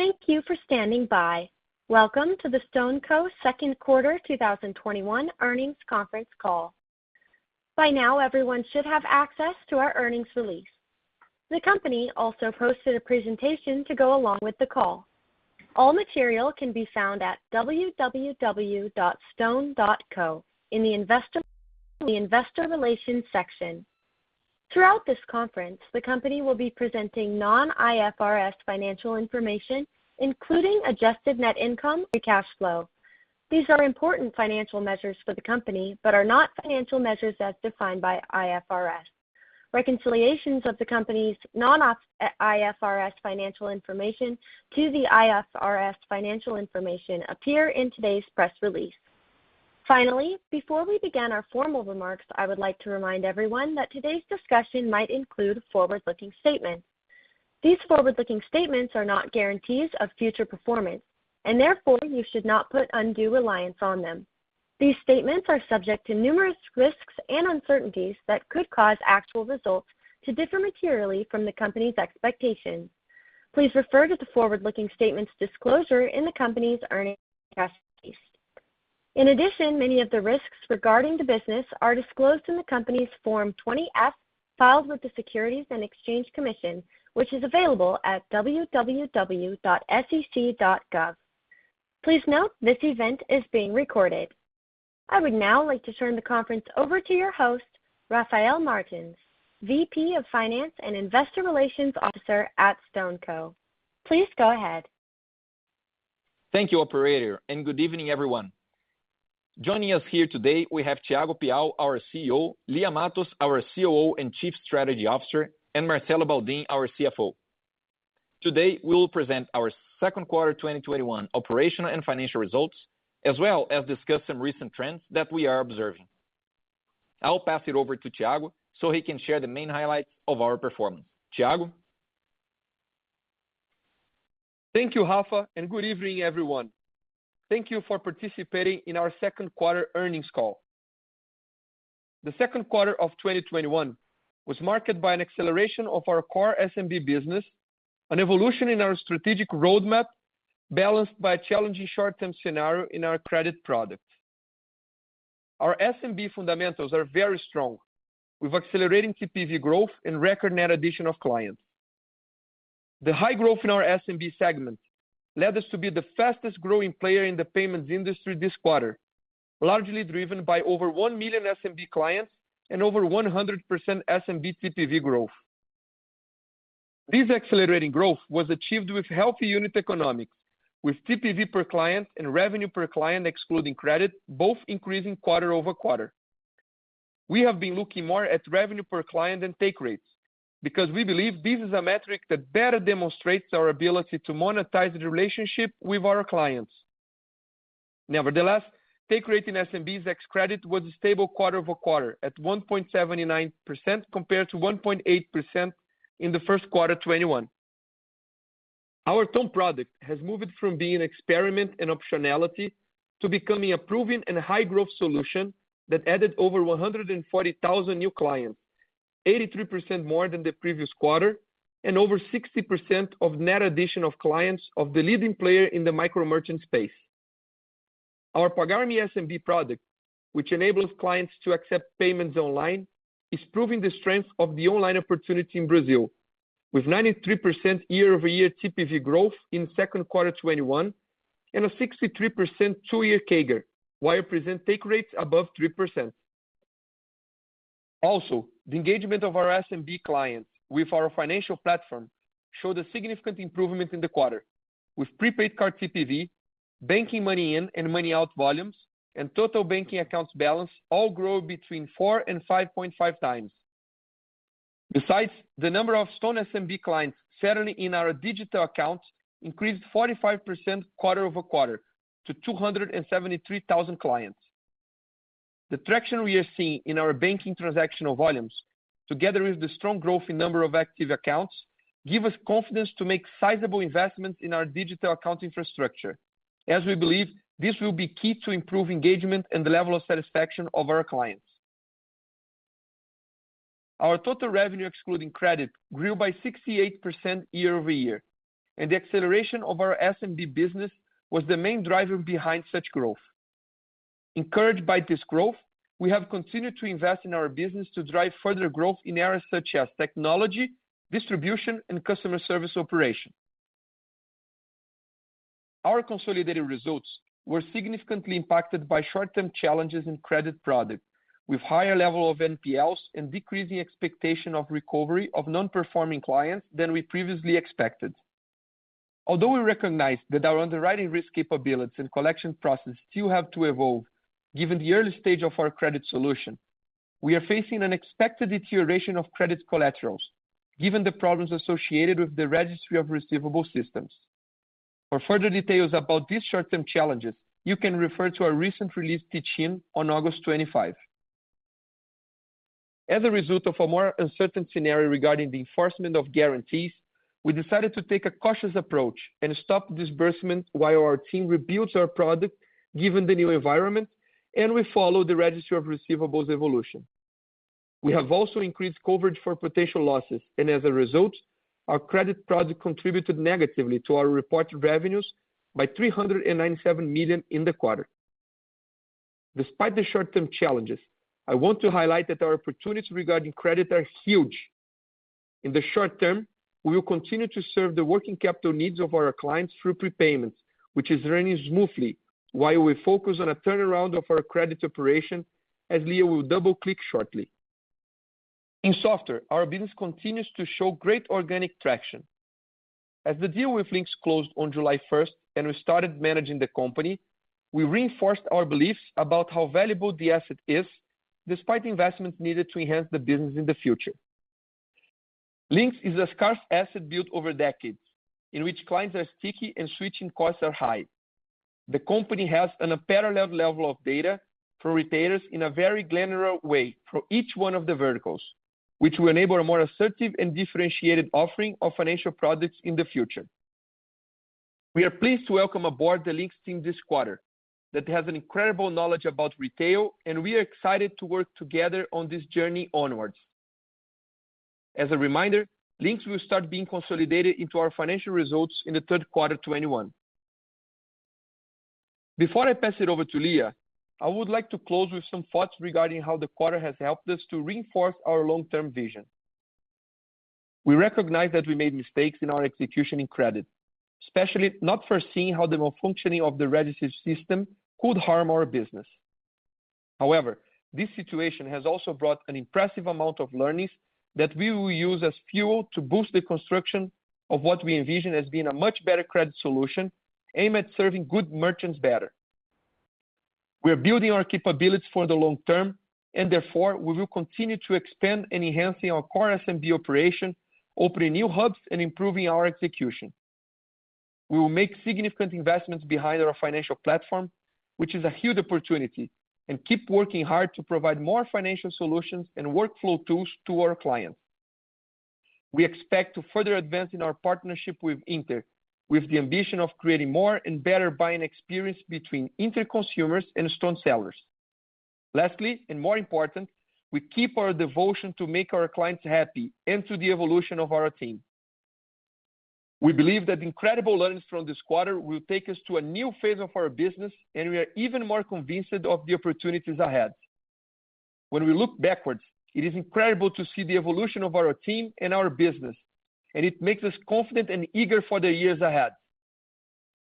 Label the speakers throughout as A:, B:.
A: Thank you for standing by. Welcome to the StoneCo Second Quarter 2021 Earnings Conference Call. By now, everyone should have access to our earnings release. The company also posted a presentation to go along with the call. All material can be found at www.stone.co in the investor relations section. Throughout this conference, the company will be presenting non-IFRS financial information, including adjusted net income and cash flow. These are important financial measures for the company but are not financial measures as defined by IFRS. Reconciliations of the company's non-IFRS financial information to the IFRS financial information appear in today's press release. Finally, before we begin our formal remarks, I would like to remind everyone that today's discussion might include forward-looking statements. These forward-looking statements are not guarantees of future performance, and therefore, you should not put undue reliance on them. These statements are subject to numerous risks and uncertainties that could cause actual results to differ materially from the company's expectations. Please refer to the forward-looking statements disclosure in the company's earnings press release. In addition, many of the risks regarding the business are disclosed in the company's Form 20-F filed with the Securities and Exchange Commission, which is available at www.sec.gov. Please note this event is being recorded. I would now like to turn the conference over to your host, Rafael Martins, VP of Finance and Investor Relations Officer at StoneCo. Please go ahead.
B: Thank you, operator, and good evening, everyone. Joining us here today, we have Thiago Piau, our CEO; Lia Matos, our COO and Chief Strategy Officer, and Marcelo Baldin, our CFO. Today, we will present our second quarter 2021 operational and financial results, as well as discuss some recent trends that we are observing. I'll pass it over to Thiago so he can share the main highlights of our performance. Thiago?
C: Thank you, Rafa, and good evening, everyone. Thank you for participating in our second quarter earnings call. The second quarter of 2021 was marked by an acceleration of our core SMB business, an evolution in our strategic roadmap, balanced by a challenging short-term scenario in our credit product. Our SMB fundamentals are very strong, with accelerating TPV growth and record net addition of clients. The high growth in our SMB segment led us to be the fastest-growing player in the payments industry this quarter, largely driven by over 1 million SMB clients and over 100% SMB TPV growth. This accelerating growth was achieved with healthy unit economics, with TPV per client and revenue per client excluding credit, both increasing quarter-over-quarter. We have been looking more at revenue per client than take rates because we believe this is a metric that better demonstrates our ability to monetize the relationship with our clients. Nevertheless, take rate in SMBs ex-credit was stable quarter-over-quarter at 1.79% compared to 1.8% in the first quarter 2021. Our Ton product has moved from being experiment and optionality to becoming a proven and high-growth solution that added over 140,000 new clients, 83% more than the previous quarter and over 60% of net addition of clients of the leading player in the micro merchant space. Our Pagar.me SMB product, which enables clients to accept payments online, is proving the strength of the online opportunity in Brazil, with 93% year-over-year TPV growth in second quarter 2021 and a 63% two-year CAGR, while present take rates above 3%. Also, the engagement of our SMB clients with our financial platform showed a significant improvement in the quarter, with prepaid card TPV, banking money in and money out volumes, and total banking accounts balance all grew between 4 and 5.5 times. Besides, the number of Stone SMB clients settling in our digital accounts increased 45% quarter-over-quarter to 273,000 clients. The traction we are seeing in our banking transactional volumes, together with the strong growth in number of active accounts, give us confidence to make sizable investments in our digital account infrastructure, as we believe this will be key to improve engagement and the level of satisfaction of our clients. Our total revenue excluding credit grew by 68% year-over-year, and the acceleration of our SMB business was the main driver behind such growth. Encouraged by this growth, we have continued to invest in our business to drive further growth in areas such as technology, distribution, and customer service operation. Our consolidated results were significantly impacted by short-term challenges in credit products, with higher level of NPLs and decreasing expectation of recovery of non-performing clients than we previously expected. Although we recognize that our underwriting risk capabilities and collection process still have to evolve given the early stage of our credit solution, we are facing an expected deterioration of credit collaterals given the problems associated with the registry of receivable systems. For further details about these short-term challenges, you can refer to our recent release teach-in on August 25. As a result of a more uncertain scenario regarding the enforcement of guarantees, we decided to take a cautious approach and stop disbursement while our team rebuilds our product given the new environment and we follow the registry of receivables evolution. We have also increased coverage for potential losses, and as a result, our credit product contributed negatively to our reported revenues by 397 million in the quarter. Despite the short-term challenges, I want to highlight that our opportunities regarding credit are huge. In the short term, we will continue to serve the working capital needs of our clients through prepayments, which is running smoothly while we focus on a turnaround of our credit operation, as Lia will double-click shortly. In software, our business continues to show great organic traction. As the deal with Linx closed on July 1st and we started managing the company, we reinforced our beliefs about how valuable the asset is, despite the investments needed to enhance the business in the future. Linx is a scarce asset built over decades in which clients are sticky and switching costs are high. The company has an unparalleled level of data for retailers in a very granular way for each one of the verticals, which will enable a more assertive and differentiated offering of financial products in the future. We are pleased to welcome aboard the Linx team this quarter that has an incredible knowledge about retail, and we are excited to work together on this journey onwards. As a reminder, Linx will start being consolidated into our financial results in the third quarter 2021. Before I pass it over to Lia, I would like to close with some thoughts regarding how the quarter has helped us to reinforce our long-term vision. We recognize that we made mistakes in our execution in credit, especially not foreseeing how the malfunctioning of the register system could harm our business. However, this situation has also brought an impressive amount of learnings that we will use as fuel to boost the construction of what we envision as being a much better credit solution aimed at serving good merchants better. We are building our capabilities for the long term, and therefore, we will continue to expand and enhancing our core SMB operation, opening new hubs, and improving our execution. We will make significant investments behind our financial platform, which is a huge opportunity, and keep working hard to provide more financial solutions and workflow tools to our clients. We expect to further advance in our partnership with Inter with the ambition of creating more and better buying experience between Inter consumers and Stone sellers. Lastly, and more important, we keep our devotion to make our clients happy and to the evolution of our team. We believe that incredible learnings from this quarter will take us to a new phase of our business, and we are even more convinced of the opportunities ahead. When we look backwards, it is incredible to see the evolution of our team and our business, and it makes us confident and eager for the years ahead.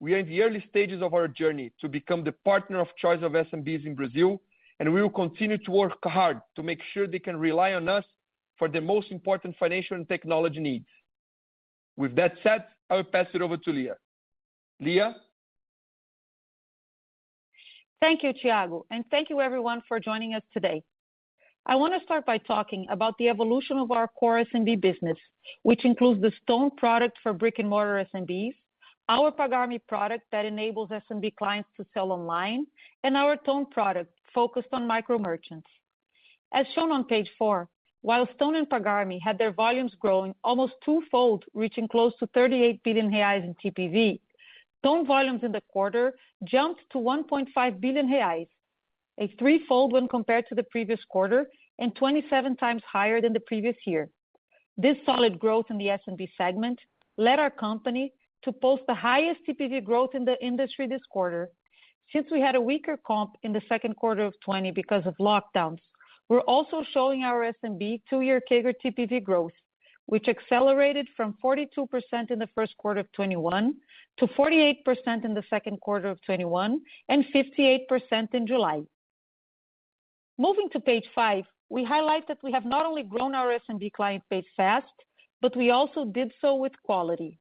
C: We are in the early stages of our journey to become the partner of choice of SMBs in Brazil, and we will continue to work hard to make sure they can rely on us for their most important financial and technology needs. With that said, I will pass it over to Lia. Lia?
D: Thank you, Thiago, and thank you everyone for joining us today. I want to start by talking about the evolution of our core SMB business, which includes the Stone product for brick-and-mortar SMBs, our Pagar.me product that enables SMB clients to sell online, and our Ton product focused on micro-merchants. As shown on page four, while Stone and Pagar.me had their volumes growing almost two-fold, reaching close to 38 billion reais in TPV, Ton volumes in the quarter jumped to 1.5 billion reais—a three-fold when compared to the previous quarter and 27x higher than the previous year. This solid growth in the SMB segment led our company to post the highest TPV growth in the industry this quarter since we had a weaker comp in the second quarter of 2020 because of lockdowns. We're also showing our SMB two-year CAGR TPV growth, which accelerated from 42% in the first quarter of 2021 to 48% in the second quarter of 2021 and 58% in July. Moving to page five, we highlight that we have not only grown our SMB client base fast, but we also did so with quality.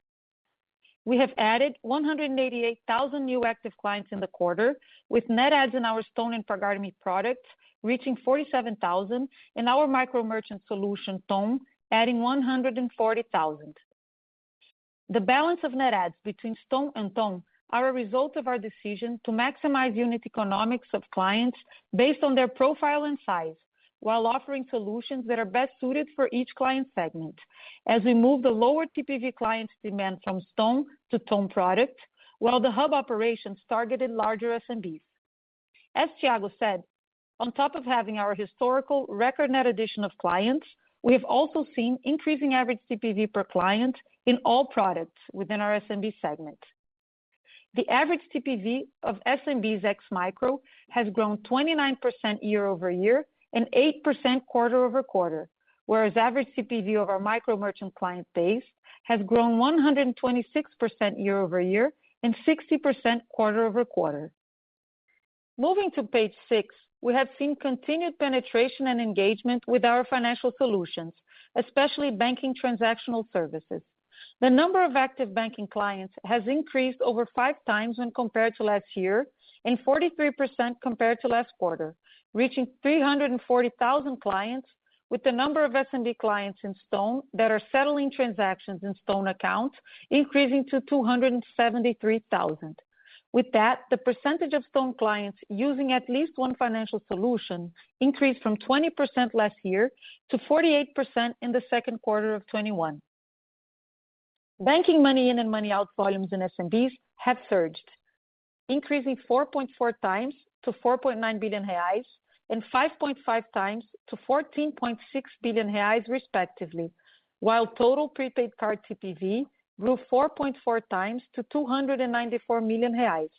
D: We have added 188,000 new active clients in the quarter, with net adds in our Stone and Pagar.me products reaching 47,000 and our micro-merchant solution, Ton, adding 140,000. The balance of net adds between Stone and Ton are a result of our decision to maximize unit economics of clients based on their profile and size, while offering solutions that are best suited for each client segment as we move the lower-TPV clients' demand from Stone to Ton product, while the hub operations targeted larger SMBs. As Thiago said, on top of having our historical record net addition of clients, we have also seen an increasing average TPV per client in all products within our SMB segment. The average TPV of SMBs ex micro has grown 29% year-over-year and 8% quarter-over-quarter, whereas average TPV of our micro-merchant client base has grown 126% year-over-year and 60% quarter-over-quarter. Moving to page six, we have seen continued penetration and engagement with our financial solutions, especially banking transactional services. The number of active banking clients has increased over five times when compared to last year, and 43% compared to last quarter, reaching 340,000 clients, with the number of SMB clients in Stone that are settling transactions in Stone accounts increasing to 273,000. With that, the percentage of Stone clients using at least one financial solution increased from 20% last year to 48% in the second quarter of 2021. Banking money-in and money-out volumes in SMBs have surged, increasing 4.4x to 4.9 billion reais and 5.5x to 14.6 billion reais respectively, while total prepaid card TPV grew 4.4x to 294 million reais,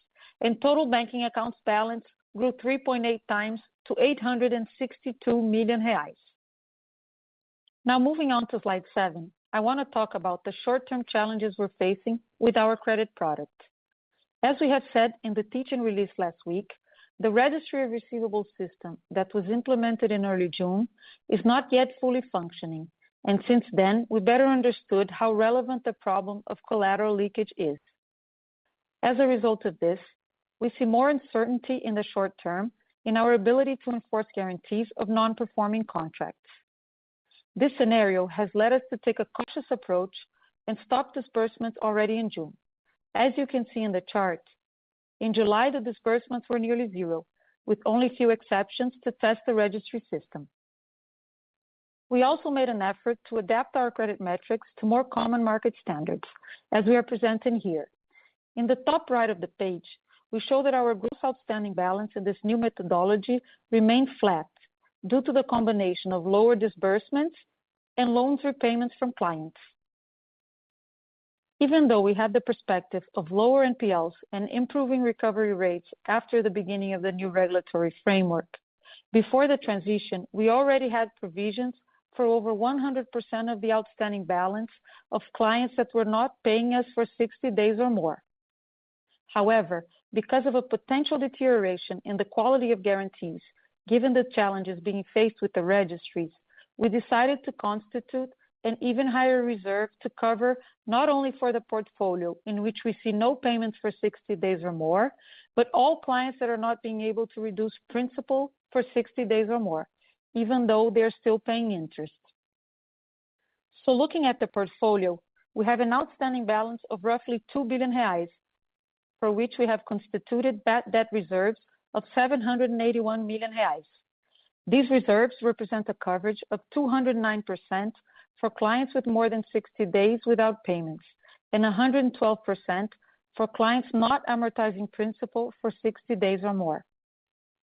D: and total banking accounts balance grew 3.8x to 862 million reais. Moving on to slide seven, I want to talk about the short-term challenges we're facing with our credit product. As we have said in the teach-in last week, the registry of receivables that was implemented in early June is not yet fully functioning; since then, we have better understood how relevant the problem of collateral leakage is. As a result of this, we see more uncertainty in the short term in our ability to enforce guarantees of non-performing contracts. This scenario has led us to take a cautious approach and stop disbursements already in June. As you can see in the chart, in July, the disbursements were nearly zero, with only a few exceptions to test the registry system. We also made an effort to adapt our credit metrics to more common market standards, as we are presenting here. In the top right of the page, we show that our gross outstanding balance in this new methodology remained flat due to the combination of lower disbursements and loans repayments from clients. Even though we have the perspective of lower NPLs and improving recovery rates after the beginning of the new regulatory framework, before the transition, we already had provisions for over 100% of the outstanding balance of clients that were not paying us for 60 days or more. However, because of a potential deterioration in the quality of guarantees, given the challenges being faced with the registries, we decided to constitute an even higher reserve to cover not only for the portfolio in which we see no payments for 60 days or more, but all clients that are not being able to reduce principal for 60 days or more, even though they're still paying interest. Looking at the portfolio, we have an outstanding balance of roughly 2 billion reais, for which we have constituted bad debt reserves of 781 million reais. These reserves represent a coverage of 209% for clients with more than 60 days without payments and 112% for clients not amortizing principal for 60 days or more.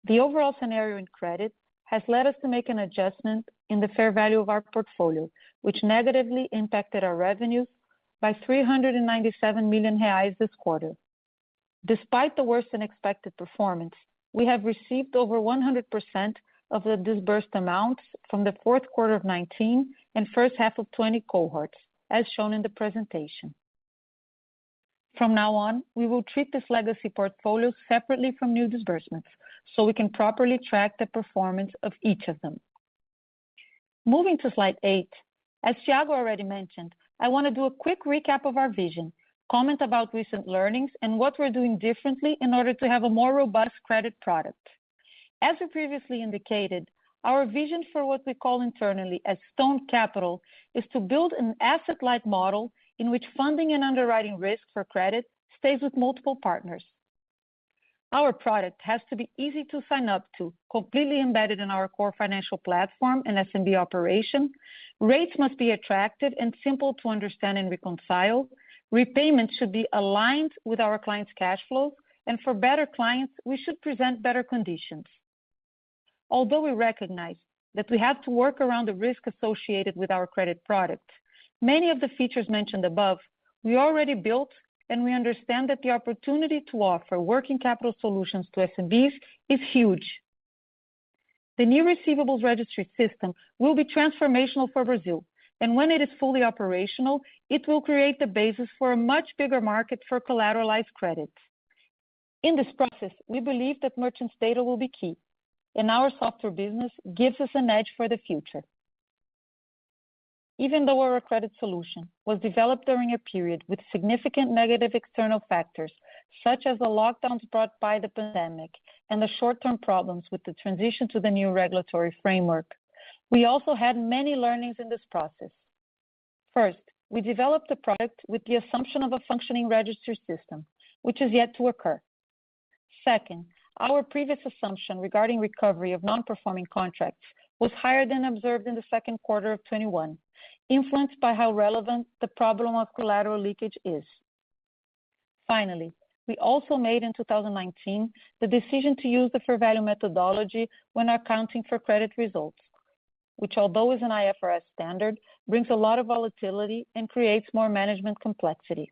D: The overall scenario in credit has led us to make an adjustment in the fair value of our portfolio, which negatively impacted our revenues by 397 million reais this quarter. Despite the worse than expected performance, we have received over 100% of the disbursed amounts from the fourth quarter of 2019 and first half of 2020 cohorts, as shown in the presentation. From now on, we will treat this legacy portfolio separately from new disbursements so we can properly track the performance of each of them. Moving to slide eight, as Thiago already mentioned, I want to do a quick recap of our vision, comment about recent learnings and what we're doing differently in order to have a more robust credit product. As we previously indicated, our vision for what we call internally as Stone Capital is to build an asset-like model in which funding and underwriting risk for credit stays with multiple partners. Our product has to be easy to sign up to, completely embedded in our core financial platform and SMB operation. Rates must be attractive and simple to understand and reconcile. Repayments should be aligned with our clients' cash flow. For better clients, we should present better conditions. Although we recognize that we have to work around the risk associated with our credit product, many of the features mentioned above we already built, and we understand that the opportunity to offer working capital solutions to SMBs is huge. The new receivables registry system will be transformational for Brazil, and when it is fully operational, it will create the basis for a much bigger market for collateralized credits. In this process, we believe that merchants' data will be key, and our software business gives us an edge for the future. Even though our credit solution was developed during a period with significant negative external factors, such as the lockdowns brought by the pandemic and the short-term problems with the transition to the new regulatory framework, we also had many learnings in this process. First, we developed the product with the assumption of a functioning register system, which is yet to occur. Second, our previous assumption regarding recovery of non-performing contracts was higher than observed in the second quarter of 2021, influenced by how relevant the problem of collateral leakage is. Finally, we also made the decision in 2019 to use the fair value methodology when accounting for credit results, which although is an IFRS standard, brings a lot of volatility and creates more management complexity.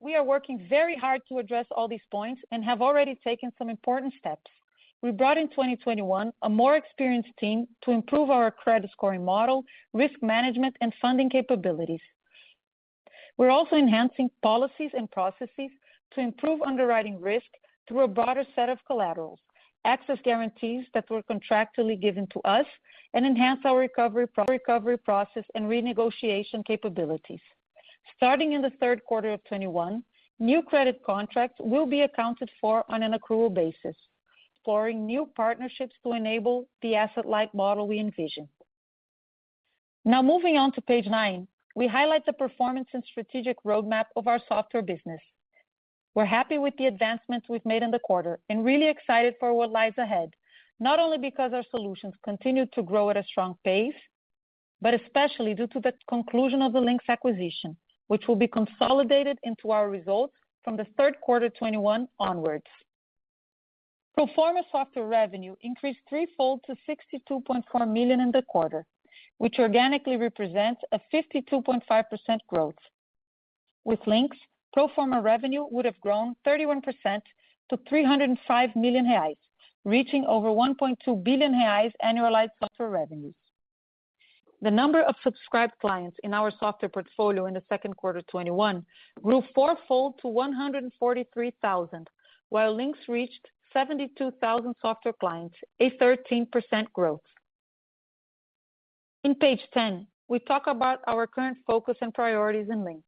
D: We are working very hard to address all these points and have already taken some important steps. We brought in 2021 a more experienced team to improve our credit scoring model, risk management, and funding capabilities. We're also enhancing policies and processes to improve underwriting risk through a broader set of collaterals, access guarantees that were contractually given to us, and enhance our recovery process and renegotiation capabilities. Starting in the third quarter of 2021, new credit contracts will be accounted for on an accrual basis, exploring new partnerships to enable the asset-like model we envision. Moving on to page nine, we highlight the performance and strategic roadmap of our software business. We're happy with the advancements we've made in the quarter and really excited for what lies ahead. Not only because our solutions continue to grow at a strong pace, but especially due to the conclusion of the Linx acquisition, which will be consolidated into our results from the third quarter 2021 onwards. Pro forma software revenue increased threefold to 62.4 million in the quarter, which organically represents a 52.5% growth. With Linx, pro forma revenue would've grown 31% to 305 million reais, reaching over 1.2 billion reais annualized software revenues. The number of subscribed clients in our software portfolio in the second quarter 2021 grew four-fold to 143,000, while Linx reached 72,000 software clients, a 13% growth. In page 10, we talk about our current focus and priorities in Linx.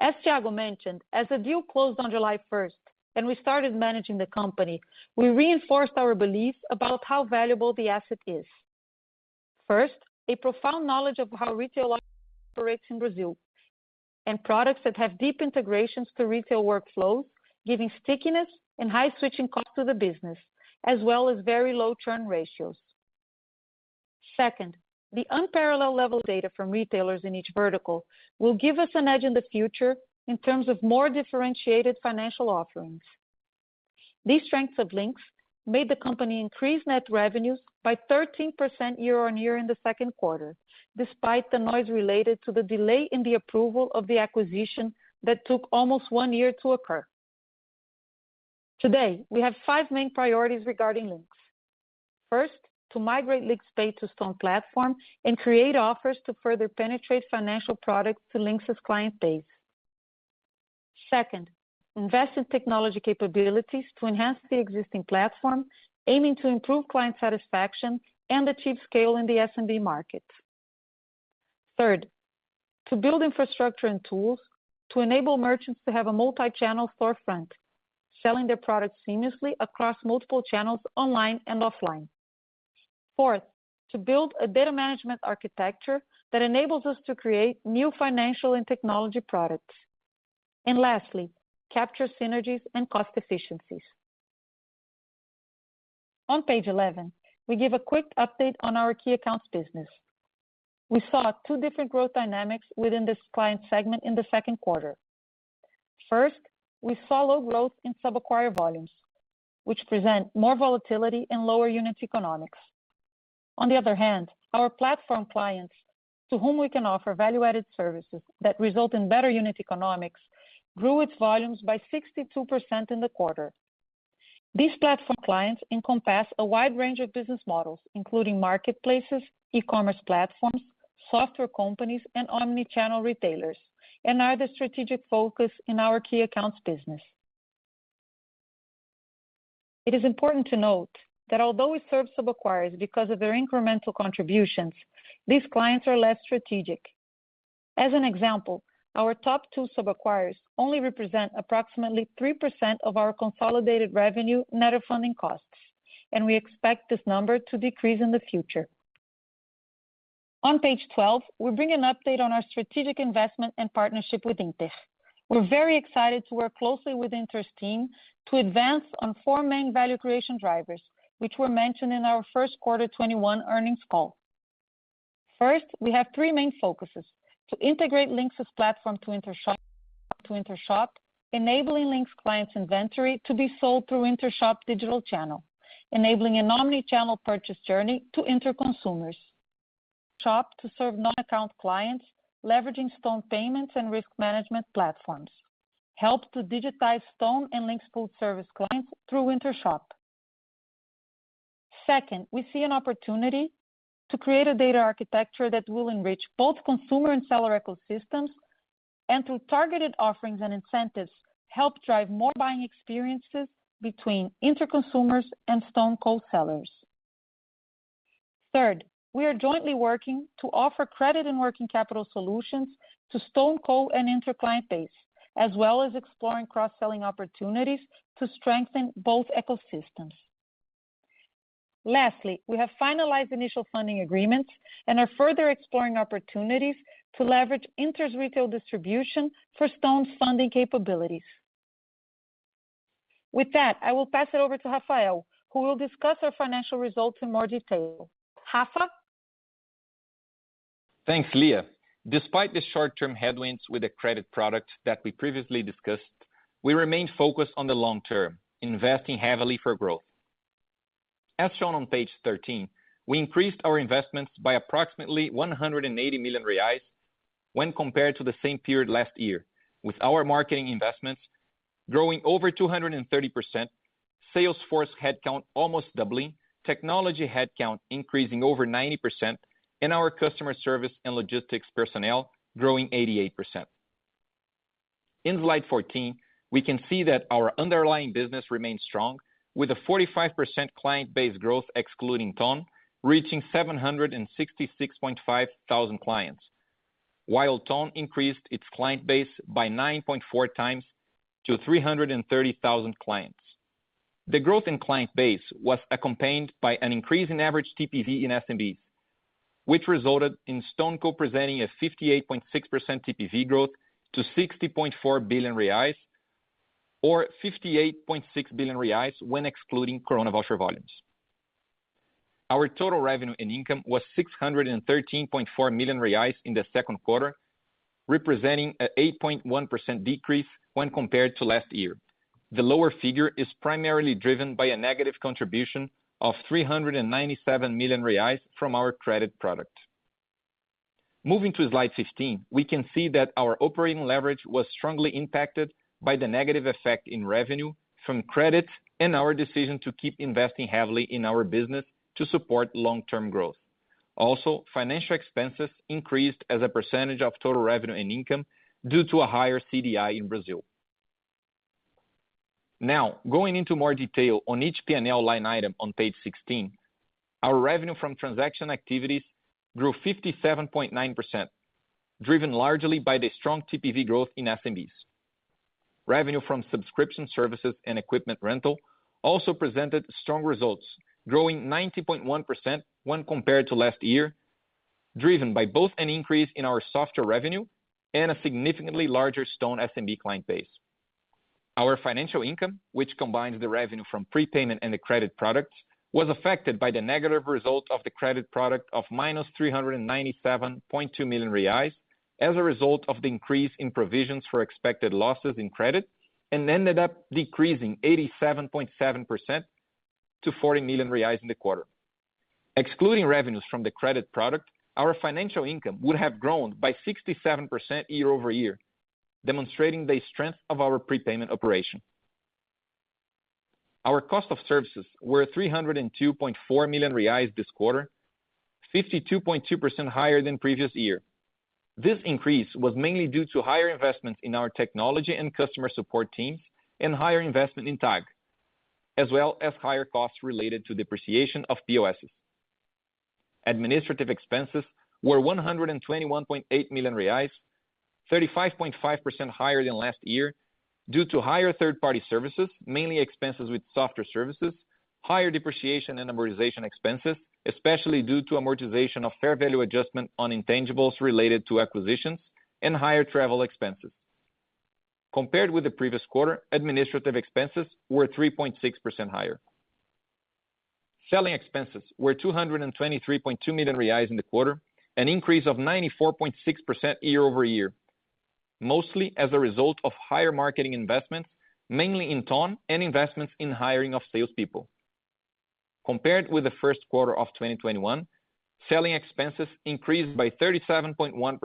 D: As Thiago mentioned, as the deal closed on July 1st and we started managing the company, we reinforced our beliefs about how valuable the asset is. First, a profound knowledge of how retail operates in Brazil, and products that have deep integrations to retail workflows, giving stickiness and high switching costs to the business, as well as very low churn ratios. Second, the unparalleled level of data from retailers in each vertical will give us an edge in the future in terms of more differentiated financial offerings. These strengths of Linx made the company increase net revenues by 13% year-on-year in the second quarter, despite the noise related to the delay in the approval of the acquisition that took almost one year to occur. Today, we have five main priorities regarding Linx. First, to migrate Linx Pay to Stone platform and create offers to further penetrate financial products to Linx's client base. Second, invest in technology capabilities to enhance the existing platform, aiming to improve client satisfaction and achieve scale in the SMB market. Third, to build infrastructure and tools to enable merchants to have a multi-channel storefront, selling their products seamlessly across multiple channels online and offline. Fourth, to build a data management architecture that enables us to create new financial and technology products. Lastly, capture synergies and cost efficiencies. On page 11, we give a quick update on our key accounts business. We saw two different growth dynamics within this client segment in the second quarter. First, we followed growth in sub-acquirer volumes, which present more volatility and lower unit economics. On the other hand, our platform clients to whom we can offer value-added services that result in better unit economics grew its volumes by 62% in the quarter. These platform clients encompass a wide range of business models, including marketplaces, e-commerce platforms, software companies, and omni-channel retailers, and are the strategic focus in our key accounts business. It is important to note that although we serve sub-acquirers because of their incremental contributions, these clients are less strategic. As an example, our top two sub-acquirers only represent approximately 3% of our consolidated revenue net of funding costs, and we expect this number to decrease in the future. On page 12, we bring an update on our strategic investment and partnership with Inter. We are very excited to work closely with Inter's team to advance on four main value creation drivers, which were mentioned in our first quarter 2021 earnings call. First, we have three main focuses. To integrate Linx's platform to Intershop, enabling Linx clients' inventory to be sold through Intershop digital channel, enabling an omni-channel purchase journey to Inter consumers. Shop to serve non-account clients, leveraging Stone payments and risk management platforms. Help to digitize Stone and Linx full service clients through Intershop. We see an opportunity to create a data architecture that will enrich both consumer and seller ecosystems, and through targeted offerings and incentives, help drive more buying experiences between Inter consumers and StoneCo sellers. We are jointly working to offer credit and working capital solutions to StoneCo and Inter client base, as well as exploring cross-selling opportunities to strengthen both ecosystems. We have finalized initial funding agreements and are further exploring opportunities to leverage Inter's retail distribution for Stone's funding capabilities. I will pass it over to Rafael, who will discuss our financial results in more detail. Rafa?
B: Thanks, Lia. Despite the short-term headwinds with the credit product that we previously discussed, we remain focused on the long term, investing heavily for growth. As shown on page 13, we increased our investments by approximately 180 million reais when compared to the same period last year, with our marketing investments growing over 230%, sales force headcount almost doubling, technology headcount increasing over 90%, and our customer service and logistics personnel growing 88%. In slide 14, we can see that our underlying business remains strong with a 45% client base growth excluding Ton, reaching 766,500 clients. While Ton increased its client base by 9.4x to 330,000 clients. The growth in client base was accompanied by an increase in average TPV in SMBs, which resulted in StoneCo presenting a 58.6% TPV growth to 60.4 billion reais, or 58.6 billion reais when excluding Corona voucher volumes. Our total revenue and income was 613.4 million reais in the second quarter, representing an 8.1% decrease when compared to last year. The lower figure is primarily driven by a negative contribution of 397 million reais from our credit product. Moving to slide 15, we can see that our operating leverage was strongly impacted by the negative effect in revenue from credits and our decision to keep investing heavily in our business to support long-term growth. Financial expenses increased as a percentage of total revenue and income due to a higher CDI in Brazil. Going into more detail on each P&L line item on page 16, our revenue from transaction activities grew 57.9%, driven largely by the strong TPV growth in SMBs. Revenue from subscription services and equipment rental also presented strong results, growing 90.1% when compared to last year, driven by both an increase in our software revenue and a significantly larger Stone SMB client base. Our financial income, which combines the revenue from prepayment and the credit products, was affected by the negative result of the credit product of -397.2 million reais as a result of the increase in provisions for expected losses in credit, and ended up decreasing 87.7% to 40 million reais in the quarter. Excluding revenues from the credit product, our financial income would have grown by 67% year-over-year, demonstrating the strength of our prepayment operation. Our cost of services were 302.4 million reais this quarter, 52.2% higher than previous year. This increase was mainly due to higher investments in our technology and customer support teams and higher investment in TAG, as well as higher costs related to depreciation of POSs. Administrative expenses were 121.8 million reais, 35.5% higher than last year due to higher third-party services, mainly expenses with software services, higher depreciation and amortization expenses, especially due to amortization of fair value adjustment on intangibles related to acquisitions and higher travel expenses. Compared with the previous quarter, administrative expenses were 3.6% higher. Selling expenses were 223.2 million reais in the quarter, an increase of 94.6% year-over-year, mostly as a result of higher marketing investments, mainly in Ton and investments in hiring of salespeople. Compared with the first quarter of 2021, selling expenses increased by 37.1%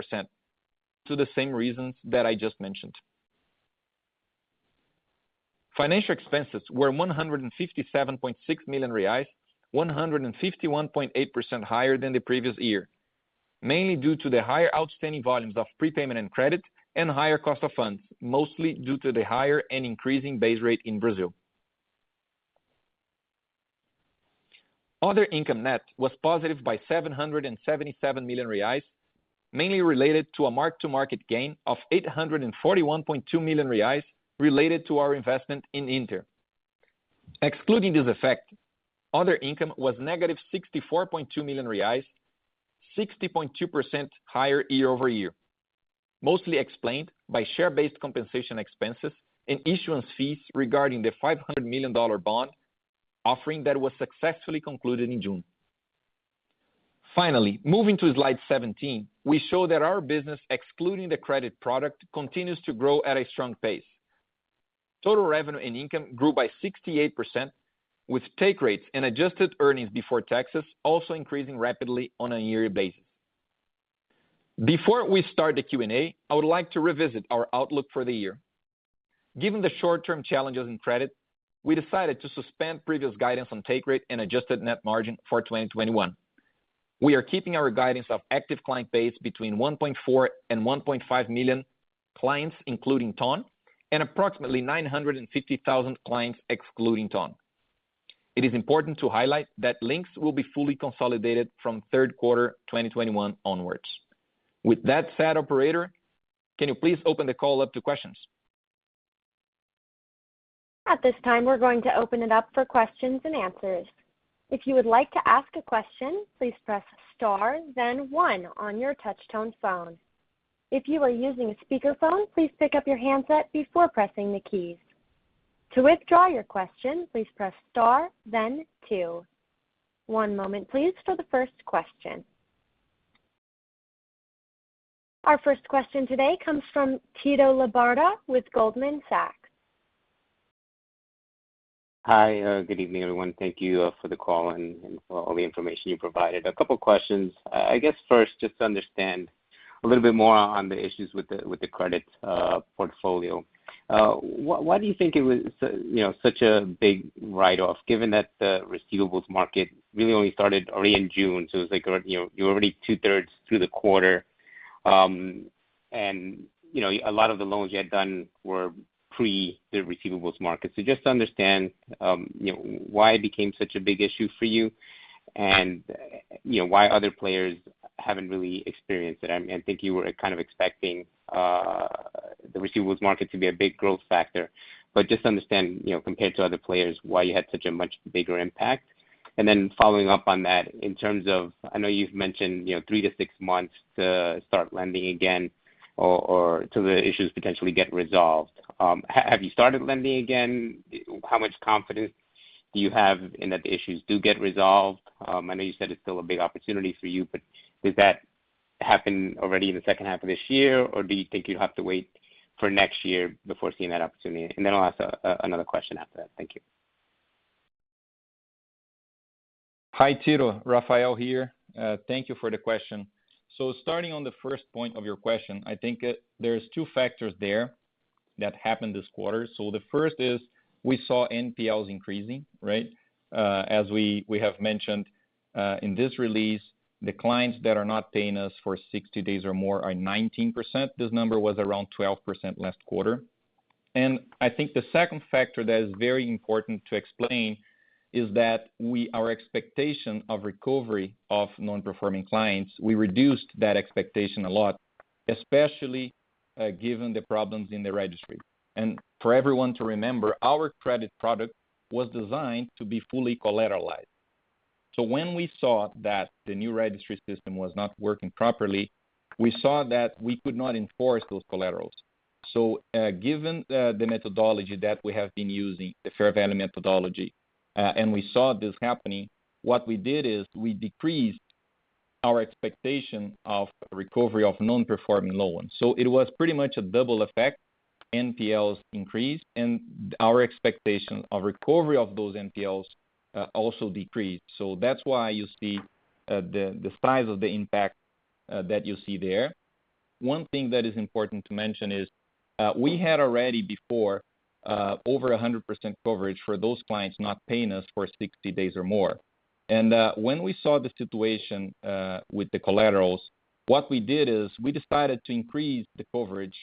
B: to the same reasons that I just mentioned. Financial expenses were 157.6 million reais, 151.8% higher than the previous year, mainly due to the higher outstanding volumes of prepayment and credit and higher cost of funds, mostly due to the higher end increasing base rate in Brazil. Other income net was positive by 777 million reais, mainly related to a mark-to-market gain of 841.2 million reais related to our investment in Inter. Excluding this effect, other income was negative 64.2 million reais, 60.2% higher year-over-year, mostly explained by share-based compensation expenses and issuance fees regarding the $500 million bond offering that was successfully concluded in June. Finally, moving to slide 17, we show that our business, excluding the credit product, continues to grow at a strong pace. Total revenue and income grew by 68%, with take rates and adjusted earnings before taxes also increasing rapidly on a yearly basis. Before we start the Q&A, I would like to revisit our outlook for the year. Given the short-term challenges in credit, we decided to suspend previous guidance on take rate and adjusted net margin for 2021. We are keeping our guidance of active client base between 1.4 and 1.5 million clients, including Ton, and approximately 950,000 clients excluding Ton. It is important to highlight that Linx will be fully consolidated from third quarter 2021 onwards. With that said, operator, can you please open the call up to questions?
A: Our first question today comes from Tito Labarta with Goldman Sachs.
E: Hi. Good evening, everyone. Thank you for the call and for all the information you provided. A couple questions. I guess first, just to understand a little bit more on the issues with the credit portfolio. Why do you think it was such a big write-off given that the receivables market really only started already in June, so you're already two-thirds through the quarter. A lot of the loans you had done were pre the receivables market. Just to understand why it became such a big issue for you and why other players haven't really experienced it. I think you were kind of expecting the receivables market to be a big growth factor. Just understand, compared to other players, why you had such a much bigger impact. Following up on that, in terms of, I know you've mentioned three to six months to start lending again or till the issues potentially get resolved. Have you started lending again? How much confidence do you have in that the issues do get resolved? I know you said it's still a big opportunity for you, but does that happen already in the second half of this year, or do you think you'd have to wait for next year before seeing that opportunity? I'll ask another question after that. Thank you.
B: Hi, Tito. Rafael here. Thank you for the question. Starting on the first point of your question, I think there's two factors there that happened this quarter. The first is we saw NPLs increasing, right? As we have mentioned, in this release, the clients that are not paying us for 60 days or more are 19%. This number was around 12% last quarter. I think the second factor that is very important to explain is that our expectation of recovery of non-performing clients, we reduced that expectation a lot, especially given the problems in the registry. For everyone to remember, our credit product was designed to be fully collateralized. When we saw that the new registry system was not working properly, we saw that we could not enforce those collaterals. Given the methodology that we have been using, the fair value methodology, and we saw this happening, what we did is we decreased our expectation of recovery of Non-Performing Loans. It was pretty much a double effect. NPLs increased, and our expectation of recovery of those NPLs also decreased. That's why you see the size of the impact that you see there. One thing that is important to mention is, we had already before, over 100% coverage for those clients not paying us for 60 days or more. When we saw the situation with the collaterals, what we did is we decided to increase the coverage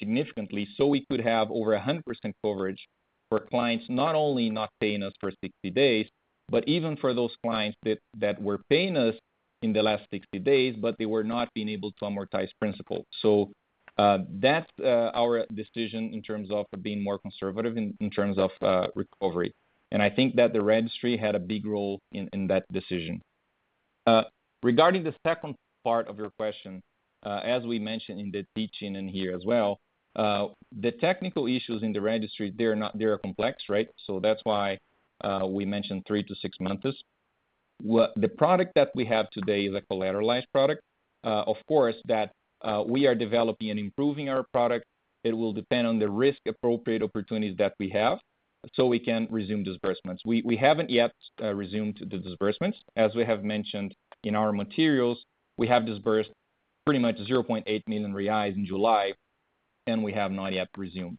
B: significantly so we could have over 100% coverage for clients not only not paying us for 60 days, but even for those clients that were paying us in the last 60 days, but they were not being able to amortize principal. That's our decision in terms of being more conservative in terms of recovery. I think that the registry had a big role in that decision. Regarding the second part of your question, as we mentioned in the teach-in here as well, the technical issues in the registry they're complex. That's why we mentioned three to six months. The product that we have today is a collateralized product. Of course, we are developing and improving our product. It will depend on the risk appropriate opportunities that we have so we can resume disbursements. We haven't yet resumed the disbursements. As we have mentioned in our materials, we have disbursed pretty much 0.8 million reais in July. We have not yet resumed.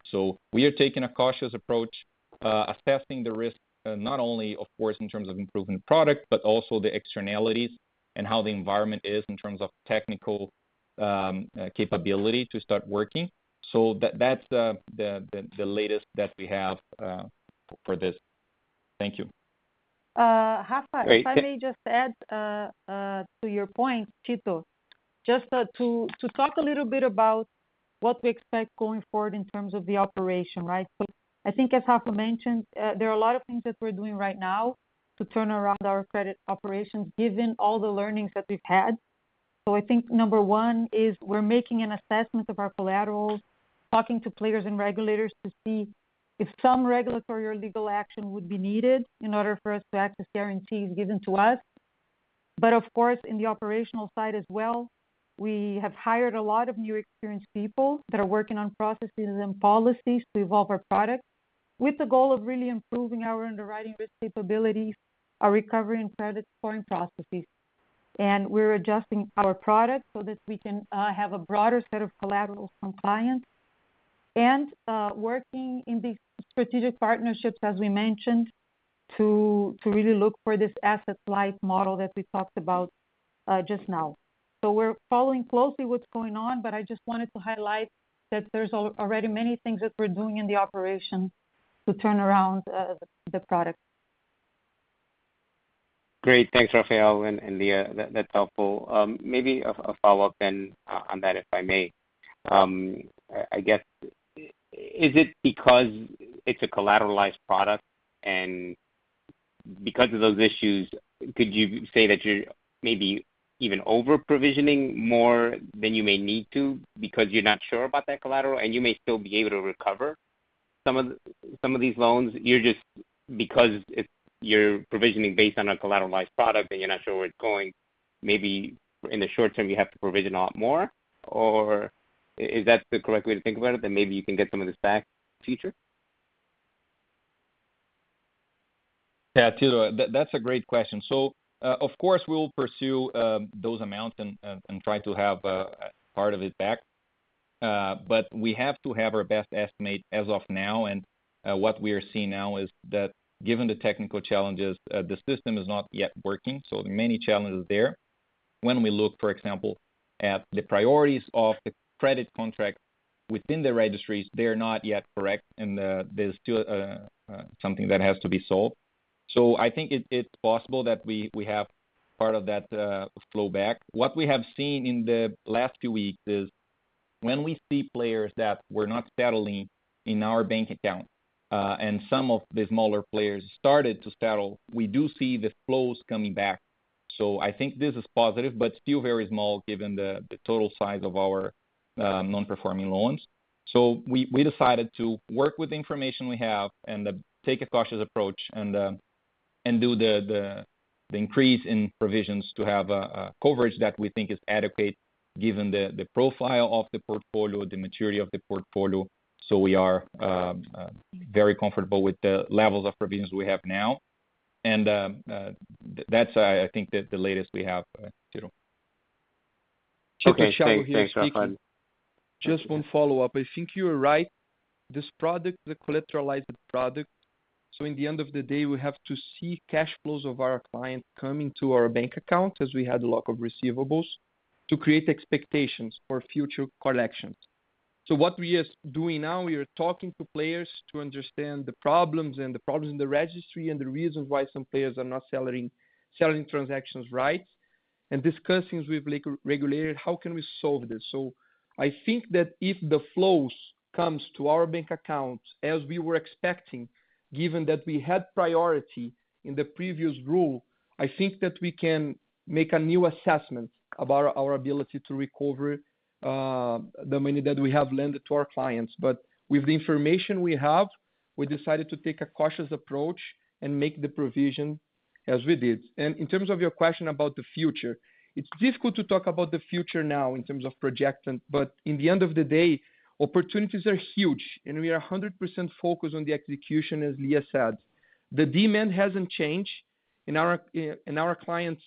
B: We are taking a cautious approach, assessing the risk, not only, of course, in terms of improving the product, but also the externalities and how the environment is in terms of technical capability to start working. That's the latest that we have for this. Thank you.
D: Rafa, if I may just add to your point, Tito. Just to talk a little bit about what we expect going forward in terms of the operation. I think as Rafael mentioned, there are a lot of things that we're doing right now to turn around our credit operations given all the learnings that we've had. I think number one is we're making an assessment of our collaterals, talking to players and regulators to see if some regulatory or legal action would be needed in order for us to access guarantees given to us. Of course, in the operational side as well, we have hired a lot of new experienced people that are working on processes and policies to evolve our product with the goal of really improving our underwriting risk capabilities, our recovery and credit scoring processes. We're adjusting our product so that we can have a broader set of collaterals from clients. Working in these strategic partnerships, as we mentioned, to really look for this asset-light model that we talked about just now. We're following closely what's going on, but I just wanted to highlight that there's already many things that we're doing in the operation to turn around the product.
E: Great. Thanks, Rafael and Lia. That's helpful. Maybe a follow-up on that, if I may. I guess, is it because it's a collateralized product and because of those issues, could you say that you're maybe even over-provisioning more than you may need to because you're not sure about that collateral, and you may still be able to recover some of these loans? Because you're provisioning based on a collateralized product and you're not sure where it's going, maybe in the short term, you have to provision a lot more? Is that the correct way to think about it, that maybe you can get some of this back in the future?
B: Yeah, Tito, that's a great question. Of course, we will pursue those amounts and try to have part of it back. We have to have our best estimate as of now. What we are seeing now is that given the technical challenges, the system is not yet working, so there are many challenges there. When we look, for example, at the priorities of the credit contract within the registries, they are not yet correct, and there's still something that has to be solved. I think it's possible that we have part of that flow back. What we have seen in the last few weeks is when we see players that were not settling in our bank account, and some of the smaller players started to settle, we do see the flows coming back. I think this is positive, but still very small given the total size of our Non-Performing Loans. We decided to work with the information we have and take a cautious approach and do the increase in provisions to have coverage that we think is adequate given the profile of the portfolio, the maturity of the portfolio. We are very comfortable with the levels of provisions we have now. That's, I think, the latest we have, Tito.
E: Okay. Thanks, Rafael.
C: Thiago here speaking. Just one follow-up. I think you are right. This product, the collateralized product. In the end of the day, we have to see cash flows of our client coming to our bank account as we had a lot of receivables to create expectations for future collections. What we are doing now, we are talking to players to understand the problems and the problems in the registry and the reasons why some players are not settling transactions right, and discussing with regulators how can we solve this. I think that if the flows comes to our bank accounts as we were expecting, given that we had priority in the previous rule, I think that we can make a new assessment about our ability to recover the money that we have lent to our clients. With the information we have, we decided to take a cautious approach and make the provision as we did. In terms of your question about the future, it's difficult to talk about the future now in terms of projections, in the end of the day, opportunities are huge, and we are 100% focused on the execution, as Lia said. The demand hasn't changed. Our client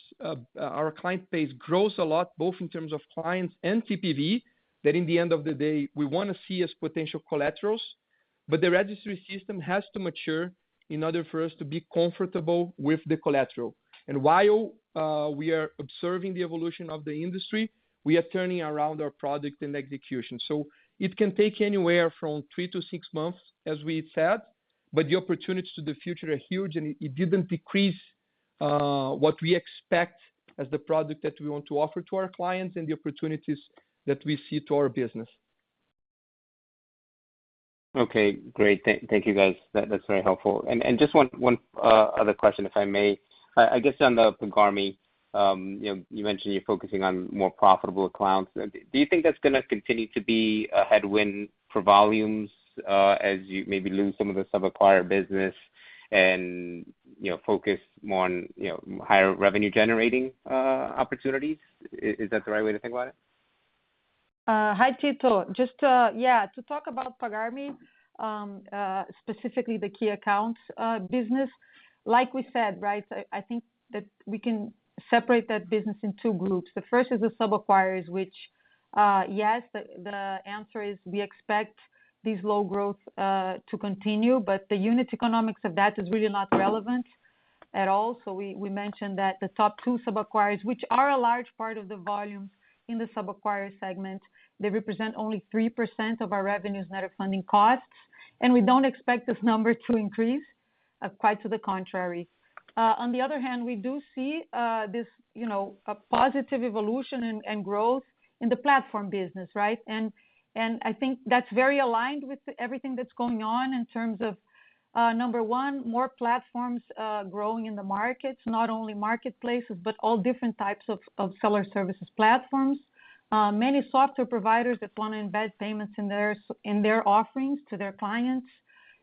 C: base grows a lot, both in terms of clients and TPV, that in the end of the day, we want to see as potential collaterals. The registry system has to mature in order for us to be comfortable with the collateral. While we are observing the evolution of the industry, we are turning around our product and execution. It can take anywhere from three to six months, as we said, but the opportunities to the future are huge, and it didn't decrease what we expect as the product that we want to offer to our clients and the opportunities that we see to our business.
E: Okay, great. Thank you guys. That's very helpful. Just one other question, if I may. I guess on the Pagar.me, you mentioned you're focusing on more profitable accounts. Do you think that's going to continue to be a headwind for volumes as you maybe lose some of the sub-acquirer business and focus more on higher revenue-generating opportunities? Is that the right way to think about it?
D: Hi, Tito. Just to talk about Pagar.me, specifically the key accounts business. Like we said, I think that we can separate that business in two groups. The first is the sub-acquirers, which yes, the answer is we expect these low growth to continue. The unit economics of that is really not relevant at all. We mentioned that the top two sub-acquirers, which are a large part of the volume in the sub-acquirer segment, they represent only 3% of our revenues net of funding costs. We don't expect this number to increase. Quite to the contrary. On the other hand, we do see a positive evolution and growth in the platform business. I think that's very aligned with everything that's going on in terms of, number one, more platforms growing in the markets. Not only marketplaces, but all different types of seller services platforms. Many software providers that want to embed payments in their offerings to their clients.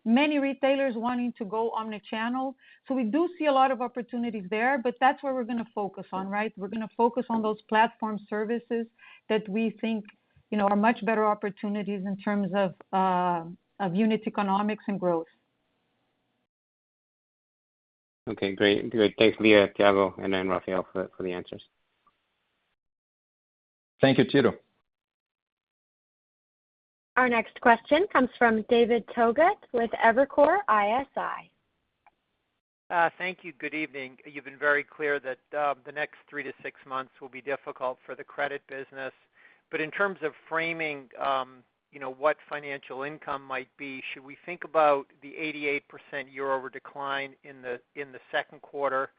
D: Many retailers wanting to go omni-channel. We do see a lot of opportunities there, but that's where we're going to focus on. We're going to focus on those platform services that we think are much better opportunities in terms of unit economics and growth.
E: Okay, great. Thanks, Lia, Thiago, and Rafael for the answers.
B: Thank you, Tito.
A: Our next question comes from David Togut with Evercore ISI.
F: Thank you. Good evening. You've been very clear that the next three to six months will be difficult for the credit business. In terms of framing what financial income might be, should we think about the 88% year-over decline in the second quarter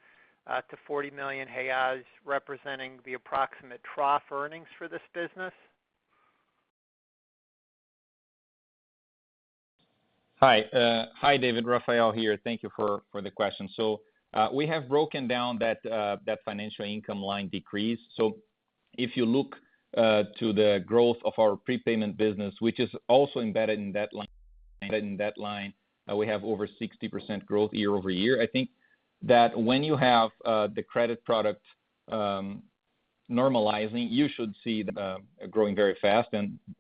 F: to 40 million reais representing the approximate trough earnings for this business?
B: Hi, David. Rafael here. Thank you for the question. We have broken down that financial income line decrease. If you look to the growth of our prepayment business, which is also embedded in that line, we have over 60% growth year-over-year. I think that when you have the credit product normalizing, you should see that growing very fast.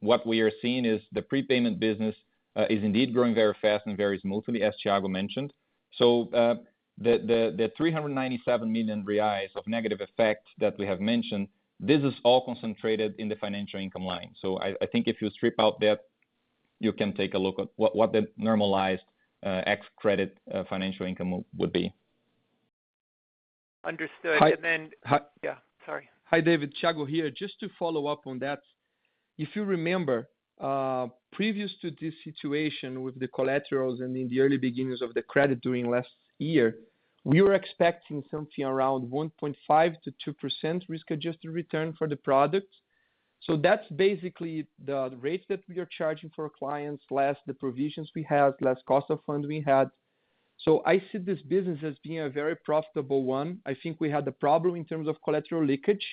B: What we are seeing is the prepayment business is indeed growing very fast and very smoothly, as Thiago mentioned. The 397 million reais of negative effect that we have mentioned, this is all concentrated in the financial income line. I think if you strip out that, you can take a look at what the normalized ex-credit financial income would be.
F: Understood.
C: Hi.
F: Yeah, sorry.
C: Hi, David. Thiago here. Just to follow up on that, if you remember, previous to this situation with the collaterals and in the early beginnings of the credit during last year, we were expecting something around 1.5%-2% risk-adjusted return for the product. That's basically the rates that we are charging for our clients, less the provisions we have, less cost of funds we had. I see this business as being a very profitable one. I think we had the problem in terms of collateral leakage.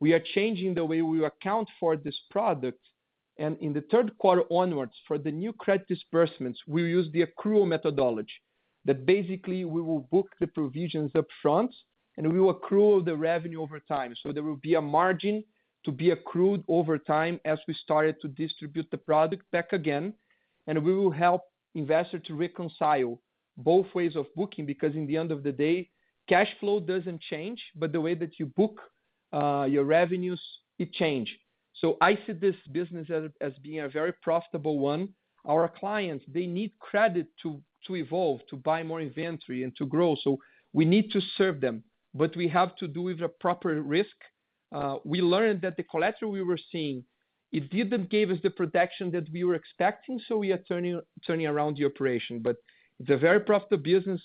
C: We are changing the way we account for this product, and in the third quarter onwards, for the new credit disbursements, we'll use the accrual methodology. Basically we will book the provisions upfront and we will accrue the revenue over time. There will be a margin to be accrued over time as we started to distribute the product back again. We will help investors to reconcile both ways of booking, because in the end of the day, cash flow doesn't change, but the way that you book your revenues, it change. I see this business as being a very profitable one. Our clients, they need credit to evolve, to buy more inventory and to grow. We need to serve them. We have to do it with proper risk. We learned that the collateral we were seeing, it didn't give us the protection that we were expecting, so we are turning around the operation. It's a very profitable business.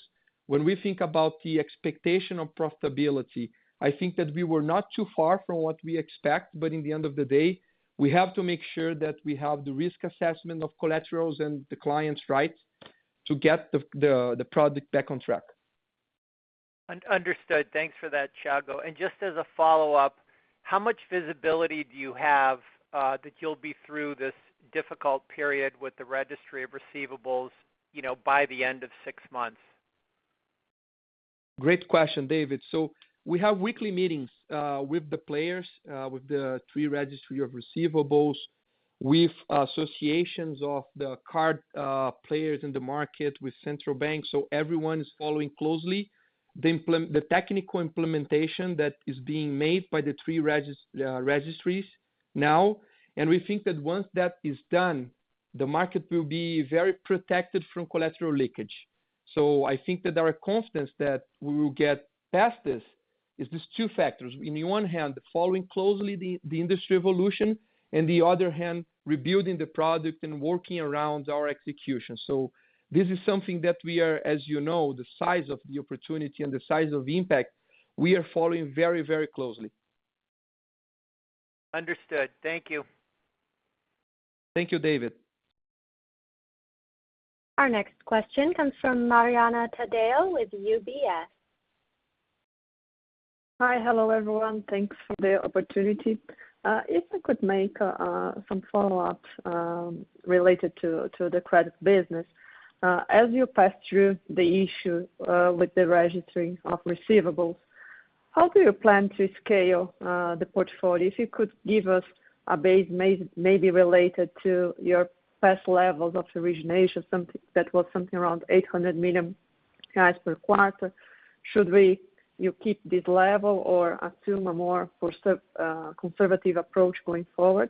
C: When we think about the expectation of profitability, I think that we were not too far from what we expect, but in the end of the day, we have to make sure that we have the risk assessment of collaterals and the clients right to get the product back on track.
F: Understood. Thanks for that, Thiago. Just as a follow-up, how much visibility do you have that you'll be through this difficult period with the registry of receivables by the end of six months?
C: Great question, David. We have weekly meetings with the players, with the three registry of receivables, with associations of the card players in the market, with central banks. Everyone is following closely the technical implementation that is being made by the three registries now. We think that once that is done, the market will be very protected from collateral leakage. I think that there are constants that we will get past this, is these two factors. On the one hand, following closely the industry evolution, and on the other hand, rebuilding the product and working around our execution. This is something that we are, as you know, the size of the opportunity and the size of the impact, we are following very closely.
F: Understood. Thank you.
C: Thank you, David.
A: Our next question comes from Mariana Taddeo with UBS.
G: Hi. Hello, everyone. Thanks for the opportunity. If I could make some follow-ups related to the credit business. As you pass through the issue with the registry of receivables, how do you plan to scale the portfolio? If you could give us a base maybe related to your past levels of origination, that was something around 800 million per quarter. Should you keep this level or assume a more conservative approach going forward?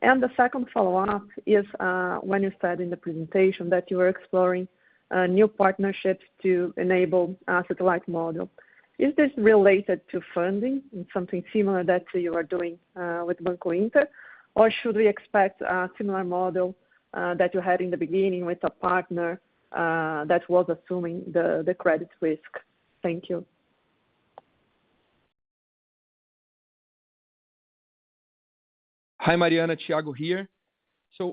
G: The second follow-up is, when you said in the presentation that you are exploring new partnerships to enable asset-light model, is this related to funding in something similar that you are doing with Banco Inter, or should we expect a similar model that you had in the beginning with a partner that was assuming the credit risk? Thank you.
C: Hi, Mariana. Thiago here.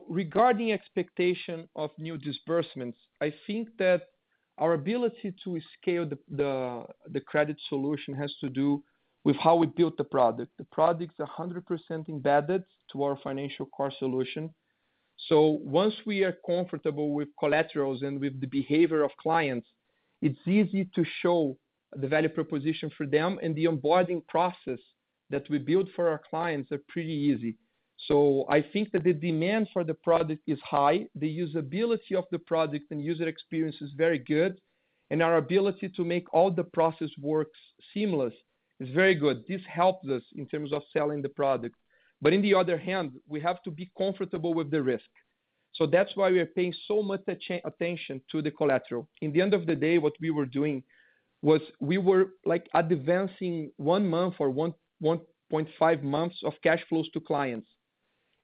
C: Regarding expectation of new disbursements, I think that our ability to scale the credit solution has to do with how we built the product. The product's 100% embedded to our financial core solution. Once we are comfortable with collaterals and with the behavior of clients, it's easy to show the value proposition for them, and the onboarding process that we built for our clients are pretty easy. I think that the demand for the product is high, the usability of the product and user experience is very good, and our ability to make all the process work seamless is very good. This helps us in terms of selling the product. In the other hand, we have to be comfortable with the risk. That's why we are paying so much attention to the collateral. In the end of the day, what we were doing was we were advancing one month or 1.5 months of cash flows to clients.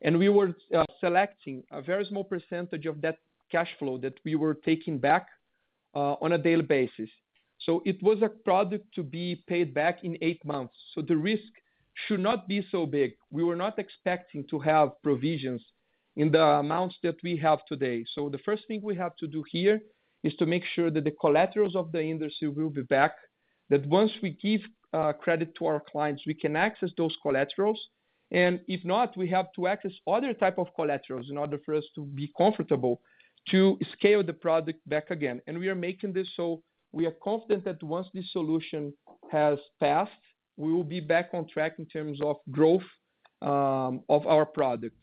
C: We were selecting a very small percentage of that cash flow that we were taking back on a daily basis. It was a product to be paid back in eight months. The risk should not be so big. We were not expecting to have provisions in the amounts that we have today. The first thing we have to do here is to make sure that the collaterals of the industry will be back, that once we give credit to our clients, we can access those collaterals. If not, we have to access other type of collaterals in order for us to be comfortable to scale the product back again. We are making this so we are confident that once this solution has passed, we will be back on track in terms of growth of our product.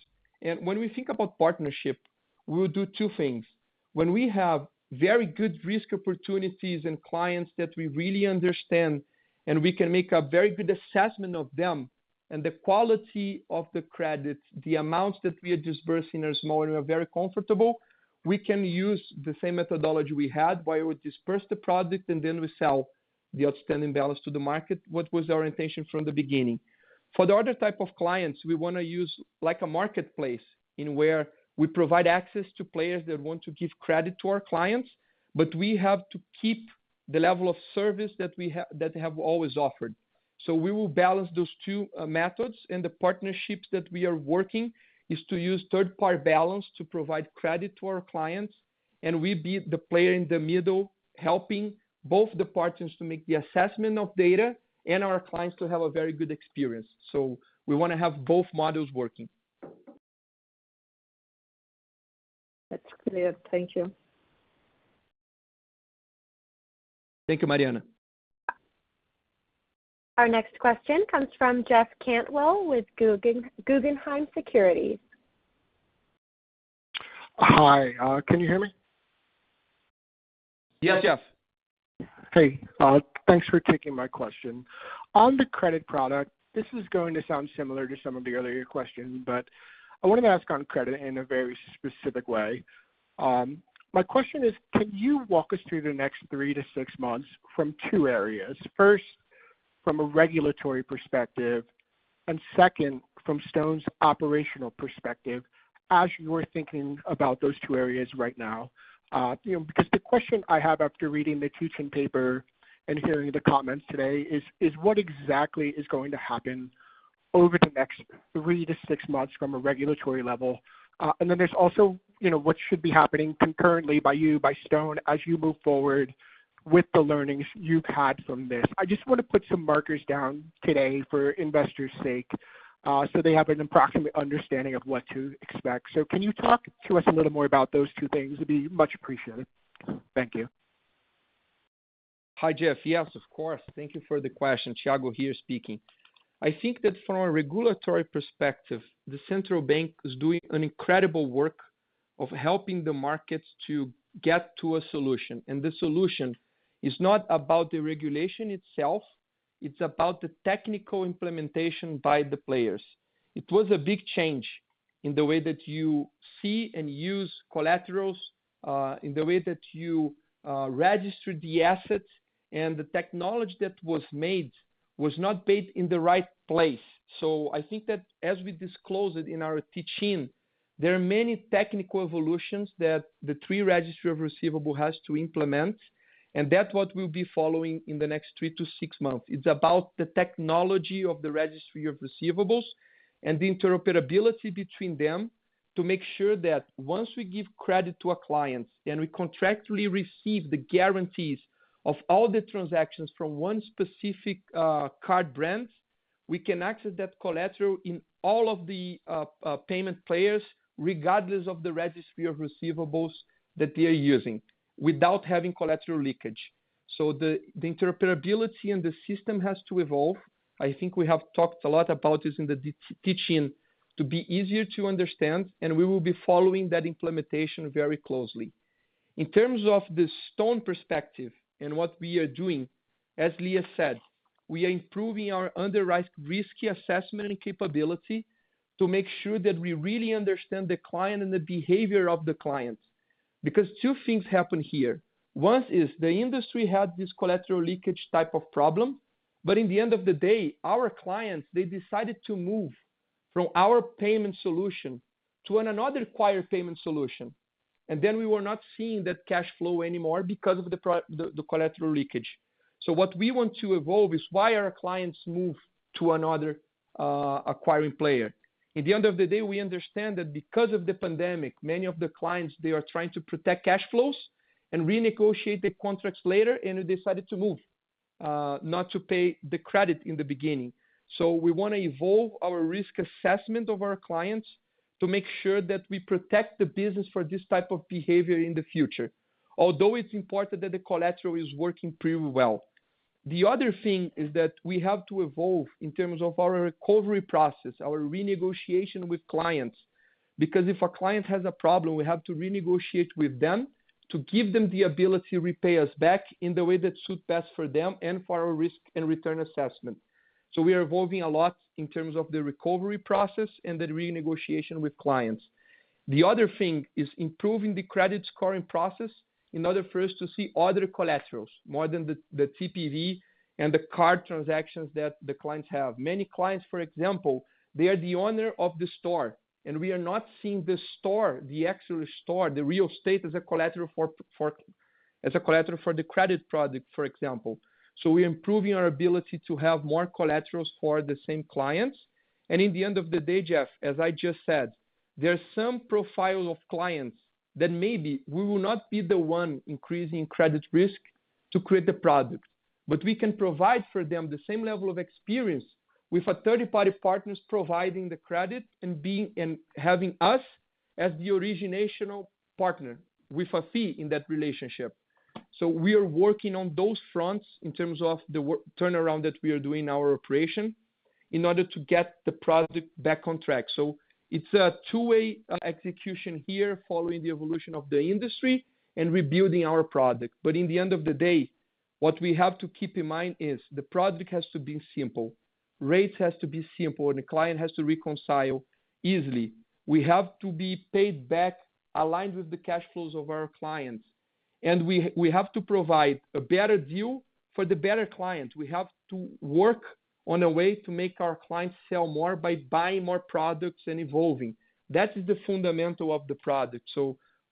C: When we think about partnership, we will do two things. When we have very good risk opportunities and clients that we really understand and we can make a very good assessment of them and the quality of the credits, the amounts that we are disbursing are small and we are very comfortable. We can use the same methodology we had where we disperse the product and then we sell the outstanding balance to the market, what was our intention from the beginning. For the other type of clients, we want to use a marketplace in where we provide access to players that want to give credit to our clients, but we have to keep the level of service that we have always offered. We will balance those two methods, and the partnerships that we are working is to use third-party balance to provide credit to our clients, and we be the player in the middle, helping both the partners to make the assessment of data and our clients to have a very good experience. We want to have both models working.
G: That's clear. Thank you.
C: Thank you, Mariana.
A: Our next question comes from Jeff Cantwell with Guggenheim Securities.
H: Hi. Can you hear me?
C: Yes, Jeff.
H: Hey. Thanks for taking my question. On the credit product, this is going to sound similar to some of the earlier questions, but I wanted to ask on credit in a very specific way. My question is, can you walk us through the next three-six months from two areas? First, from a regulatory perspective, and second, from Stone's operational perspective as you're thinking about those two areas right now. The question I have after reading the teach-in paper and hearing the comments today is, what exactly is going to happen over the next three-six months from a regulatory level? There's also what should be happening concurrently by you, by Stone, as you move forward with the learnings you've had from this. I just want to put some markers down today for investors' sake, so they have an approximate understanding of what to expect. Can you talk to us a little more about those two things would be much appreciated. Thank you.
C: Hi, Jeff. Yes, of course. Thank you for the question. Thiago here speaking. I think that from a regulatory perspective, the central bank is doing an incredible work of helping the markets to get to a solution. The solution is not about the regulation itself. It's about the technical implementation by the players. It was a big change in the way that you see and use collaterals, in the way that you registered the assets, and the technology that was made was not paid in the right place. I think that as we disclose it in our teach-in, there are many technical evolutions that the three registry of receivables has to implement, and that's what we'll be following in the next three to six months. It's about the technology of the registry of receivables and the interoperability between them to make sure that once we give credit to a client and we contractually receive the guarantees of all the transactions from one specific card brand, we can access that collateral in all of the payment players, regardless of the registry of receivables that they are using, without having collateral leakage. The interoperability and the system has to evolve. I think we have talked a lot about this in the teach-in to be easier to understand, and we will be following that implementation very closely. In terms of the Stone perspective and what we are doing, as Lia said, we are improving our underwrite risk assessment capability to make sure that we really understand the client and the behavior of the clients. Two things happen here. One is the industry had this collateral leakage type of problem. In the end of the day, our clients, they decided to move from our payment solution to another acquired payment solution. We were not seeing that cash flow anymore because of the collateral leakage. What we want to evolve is why our clients move to another acquiring player. At the end of the day, we understand that because of the pandemic, many of the clients, they are trying to protect cash flows and renegotiate the contracts later, and they decided to move. Not to pay the credit in the beginning. We want to evolve our risk assessment of our clients to make sure that we protect the business for this type of behavior in the future. Although it's important that the collateral is working pretty well. The other thing is that we have to evolve in terms of our recovery process, our renegotiation with clients. If a client has a problem, we have to renegotiate with them to give them the ability to repay us back in the way that suits best for them and for our risk and return assessment. We are evolving a lot in terms of the recovery process and the renegotiation with clients. The other thing is improving the credit scoring process in order for us to see other collaterals more than the TPV and the card transactions that the clients have. Many clients, for example, they are the owner of the store, and we are not seeing the store, the actual store, the real estate as a collateral for the credit product, for example. We are improving our ability to have more collaterals for the same clients. In the end of the day, Jeff, as I just said, there are some profile of clients that maybe we will not be the one increasing credit risk to create the product. We can provide for them the same level of experience with our third-party partners providing the credit and having us as the originational partner with a fee in that relationship. We are working on those fronts in terms of the turnaround that we are doing our operation in order to get the project back on track. It's a two-way execution here following the evolution of the industry and rebuilding our product. In the end of the day, what we have to keep in mind is the product has to be simple, rates have to be simple, and the client has to reconcile easily. We have to be paid back aligned with the cash flows of our clients. We have to provide a better view for the better client. We have to work on a way to make our clients sell more by buying more products and evolving. That is the fundamental of the product.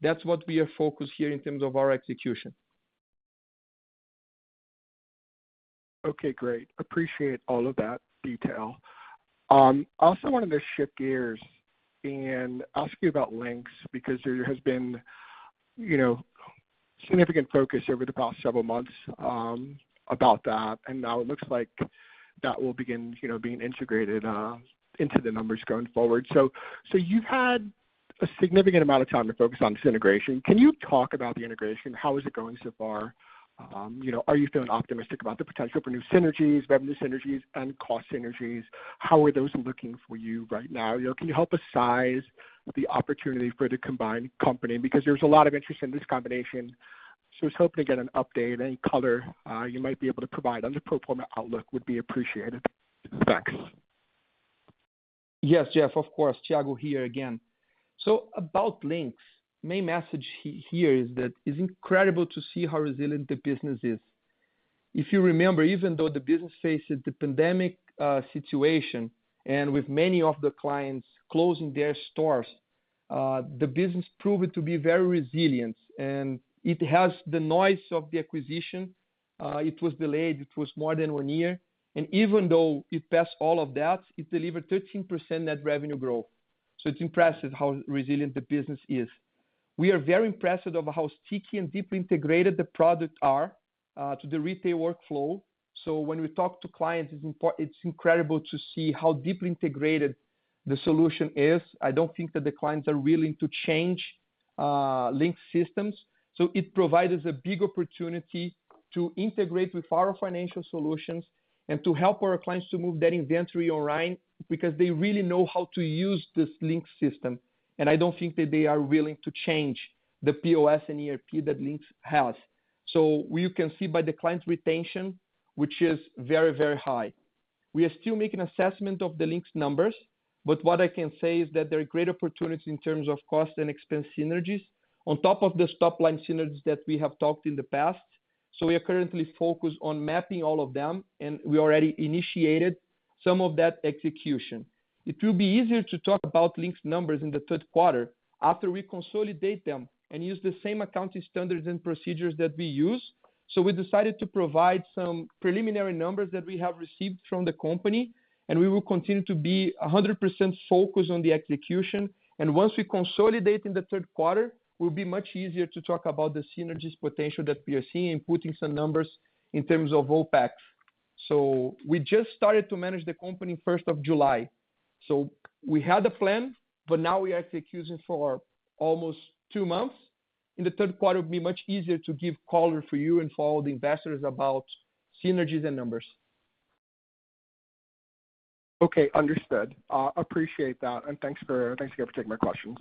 C: That's what we are focused here in terms of our execution.
H: Okay, great. Appreciate all of that detail. Also wanted to shift gears and ask you about Linx, because there has been significant focus over the past several months about that, and now it looks like that will begin being integrated into the numbers going forward. You've had a significant amount of time to focus on this integration. Can you talk about the integration? How is it going so far? Are you feeling optimistic about the potential for new synergies, revenue synergies, and cost synergies? How are those looking for you right now? Can you help us size the opportunity for the combined company? There's a lot of interest in this combination, so I was hoping to get an update. Any color you might be able to provide on the pro forma outlook would be appreciated. Thanks.
C: Yes, Jeff. Of course. Thiago here again. About Linx, main message here is that it's incredible to see how resilient the business is. If you remember, even though the business faces the pandemic situation and with many of the clients closing their stores, the business proved to be very resilient. It has the noise of the acquisition. It was delayed. It was more than 1 year. Even though it passed all of that, it delivered 13% net revenue growth. It's impressive how resilient the business is. We are very impressed of how sticky and deeply integrated the product are to the retail workflow. When we talk to clients, it's incredible to see how deeply integrated the solution is. I don't think that the clients are willing to change Linx systems. It provides us a big opportunity to integrate with our financial solutions and to help our clients to move that inventory online because they really know how to use this Linx system, and I don't think that they are willing to change the POS and ERP that Linx has. You can see by the client retention, which is very high. We are still making assessment of the Linx numbers, but what I can say is that there are great opportunities in terms of cost and expense synergies on top of this top-line synergies that we have talked in the past. We are currently focused on mapping all of them, and we already initiated some of that execution. It will be easier to talk about Linx numbers in the third quarter after we consolidate them and use the same accounting standards and procedures that we use. We decided to provide some preliminary numbers that we have received from the company, and we will continue to be 100% focused on the execution. Once we consolidate in the third quarter, it will be much easier to talk about the synergies potential that we are seeing and putting some numbers in terms of OpEx. We just started to manage the company 1st of July. We had a plan, but now we are executing for almost two months. In the third quarter, it'll be much easier to give color for you and for all the investors about synergies and numbers.
H: Okay, understood. Appreciate that, and thanks again for taking my questions.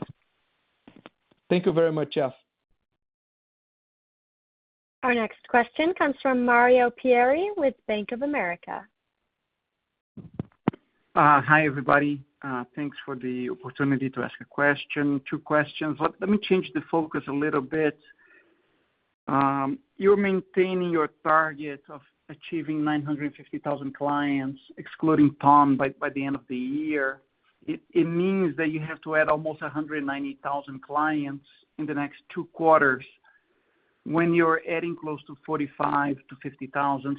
C: Thank you very much, Jeff.
A: Our next question comes from Mario Pierry with Bank of America.
I: Hi, everybody. Thanks for the opportunity to ask a question. Two questions. Let me change the focus a little bit. You're maintaining your target of achieving 950,000 clients, excluding Ton by the end of the year. It means that you have to add almost 190,000 clients in the next two quarters when you're adding close to 45 to 50,000.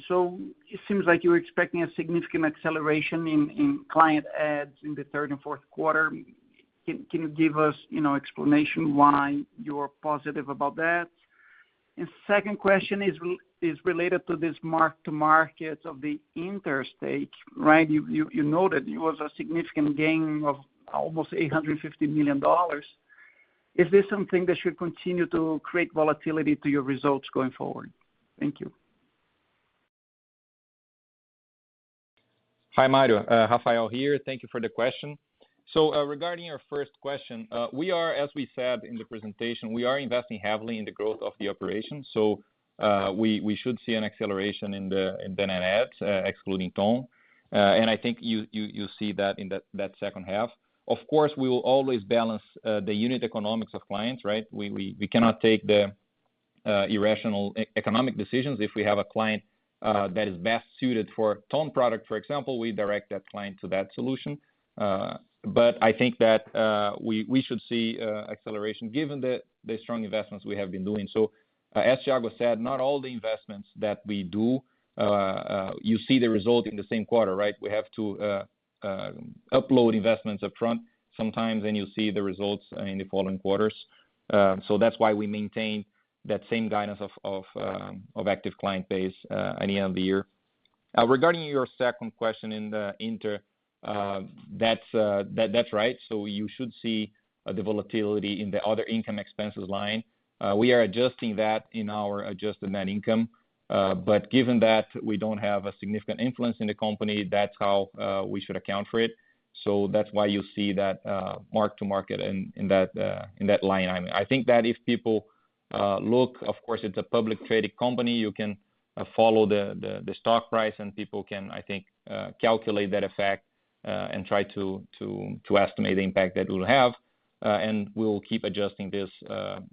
I: It seems like you're expecting a significant acceleration in client adds in the third and fourth quarter. Can you give us explanation why you're positive about that? Second question is related to this mark to market of the Banco Inter, right? You know that it was a significant gain of almost BRL 850 million. Is this something that should continue to create volatility to your results going forward? Thank you.
B: Hi, Mario. Rafael here. Thank you for the question. Regarding your first question, we are, as we said in the presentation, we are investing heavily in the growth of the operation. We should see an acceleration in the net adds, excluding Ton. I think you'll see that in that second half. Of course, we will always balance the unit economics of clients, right? We cannot take the irrational economic decisions. If we have a client that is best suited for Ton product, for example, we direct that client to that solution. I think that we should see acceleration given the strong investments we have been doing. As Thiago said, not all the investments that we do you see the result in the same quarter, right? We have to upload investments upfront sometimes, and you'll see the results in the following quarters. That's why we maintain that same guidance of active client base at the end of the year. Regarding your second question in the Banco Inter, that's right. You should see the volatility in the other income expenses line. We are adjusting that in our adjusted net income. Given that we don't have a significant influence in the company, that's how we should account for it. That's why you see that mark-to-market in that line item. I think that if people look, of course, it's a publicly traded company, you can follow the stock price and people can, I think, calculate that effect and try to estimate the impact that it will have. We will keep adjusting this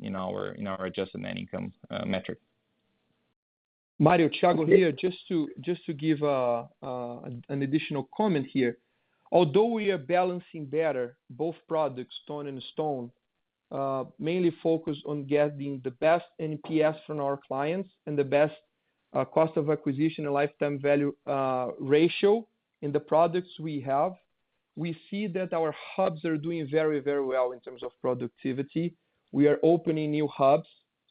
B: in our Adjusted Net Income metric.
C: Mario, Thiago here. Just to give an additional comment here. Although we are balancing better both products, Stone and Ton, mainly focused on getting the best NPS from our clients and the best cost of acquisition and lifetime value ratio in the products we have, we see that our hubs are doing very well in terms of productivity. We are opening new hubs,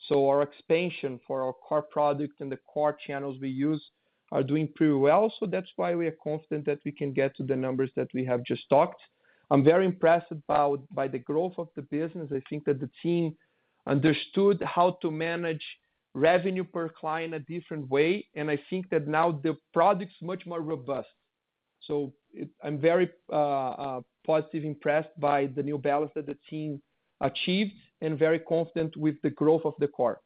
C: so our expansion for our core product and the core channels we use are doing pretty well. That's why we are confident that we can get to the numbers that we have just talked. I'm very impressed by the growth of the business. I think that the team understood how to manage revenue per client a different way, and I think that now the product's much more robust. I'm very positively impressed by the new balance that the team achieved and very confident with the growth of the core.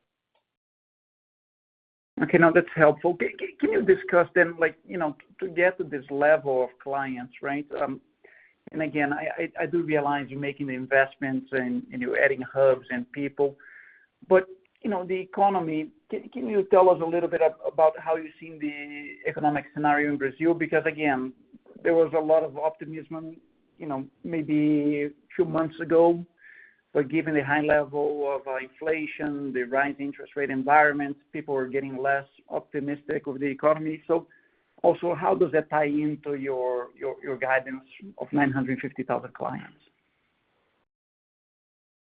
I: Now that's helpful. Can you discuss then, to get to this level of clients, right? Again, I do realize you're making the investments and you're adding hubs and people. The economy, can you tell us a little bit about how you're seeing the economic scenario in Brazil? Because again, there was a lot of optimism maybe two months ago. Given the high level of inflation, the rising interest rate environment, people are getting less optimistic of the economy. Also how does that tie into your guidance of 950,000 clients?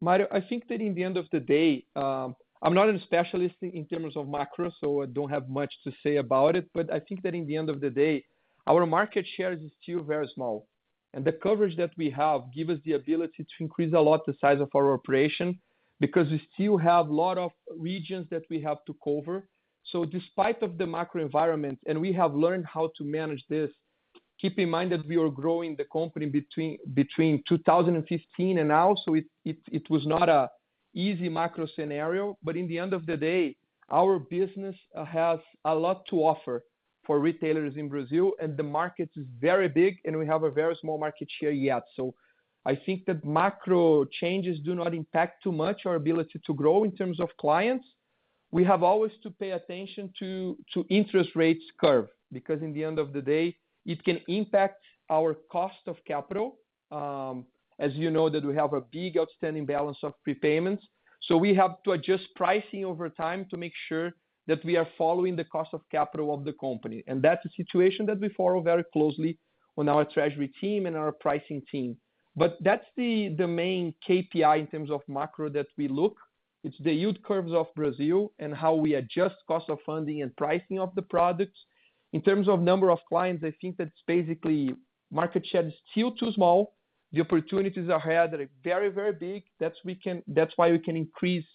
C: Mario, I think that in the end of the day, I'm not a specialist in terms of macro, so I don't have much to say about it. I think that in the end of the day, our market share is still very small, and the coverage that we have give us the ability to increase a lot the size of our operation because we still have lot of regions that we have to cover. Despite of the macro environment, and we have learned how to manage this, keep in mind that we are growing the company between 2015 and now, so it was not a easy macro scenario. In the end of the day, our business has a lot to offer for retailers in Brazil, and the market is very big, and we have a very small market share yet. I think that macro changes do not impact too much our ability to grow in terms of clients. We have always to pay attention to interest rate curve, because in the end of the day, it can impact our cost of capital. As you know that we have a big outstanding balance of prepayments. We have to adjust pricing over time to make sure that we are following the cost of capital of the company. That's a situation that we follow very closely on our treasury team and our pricing team. That's the main KPI in terms of macro that we look. It's the yield curves of Brazil and how we adjust cost of funding and pricing of the products. In terms of number of clients, I think that's basically market share is still too small. The opportunities ahead are very big. That's why we can increase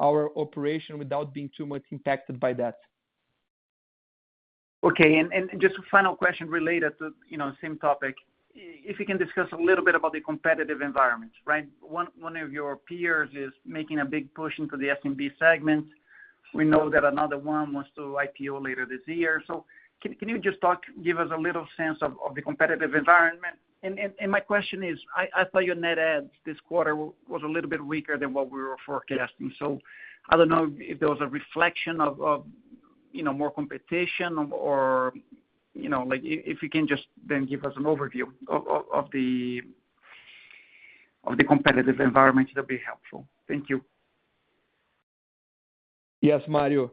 C: our operation without being too much impacted by that.
I: Okay. Just a final question related to same topic. If you can discuss a little bit about the competitive environment, right? One of your peers is making a big push into the SMB segment. We know that another one wants to IPO later this year. Can you just give us a little sense of the competitive environment? My question is, I saw your net adds this quarter was a little bit weaker than what we were forecasting. I don't know if there was a reflection of more competition or if you can just then give us an overview of the competitive environment, that'd be helpful. Thank you.
C: Yes, Mario.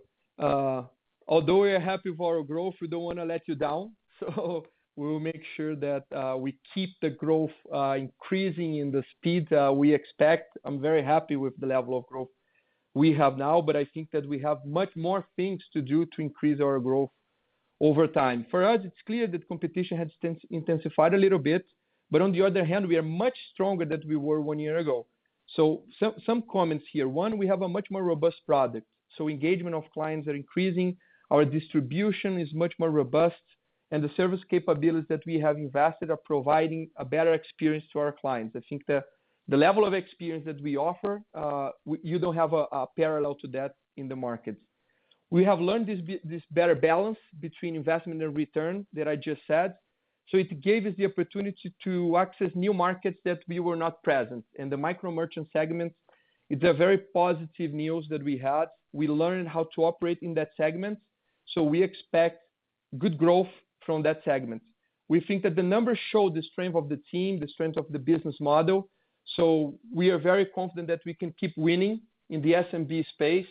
C: Although we are happy for our growth, we don't want to let you down, so we will make sure that we keep the growth increasing in the speed we expect. I'm very happy with the level of growth we have now, but I think that we have much more things to do to increase our growth over time. For us, it's clear that competition has intensified a little bit, but on the other hand, we are much stronger than we were one year ago. Some comments here. One, we have a much more robust product, so engagement of clients are increasing. Our distribution is much more robust, and the service capabilities that we have invested are providing a better experience to our clients. I think the level of experience that we offer, you don't have a parallel to that in the market. We have learned this better balance between investment and return that I just said. It gave us the opportunity to access new markets that we were not present. In the micro merchant segment, it's a very positive news that we had. We learned how to operate in that segment, so we expect good growth from that segment. We think that the numbers show the strength of the team, the strength of the business model, so we are very confident that we can keep winning in the SMB space.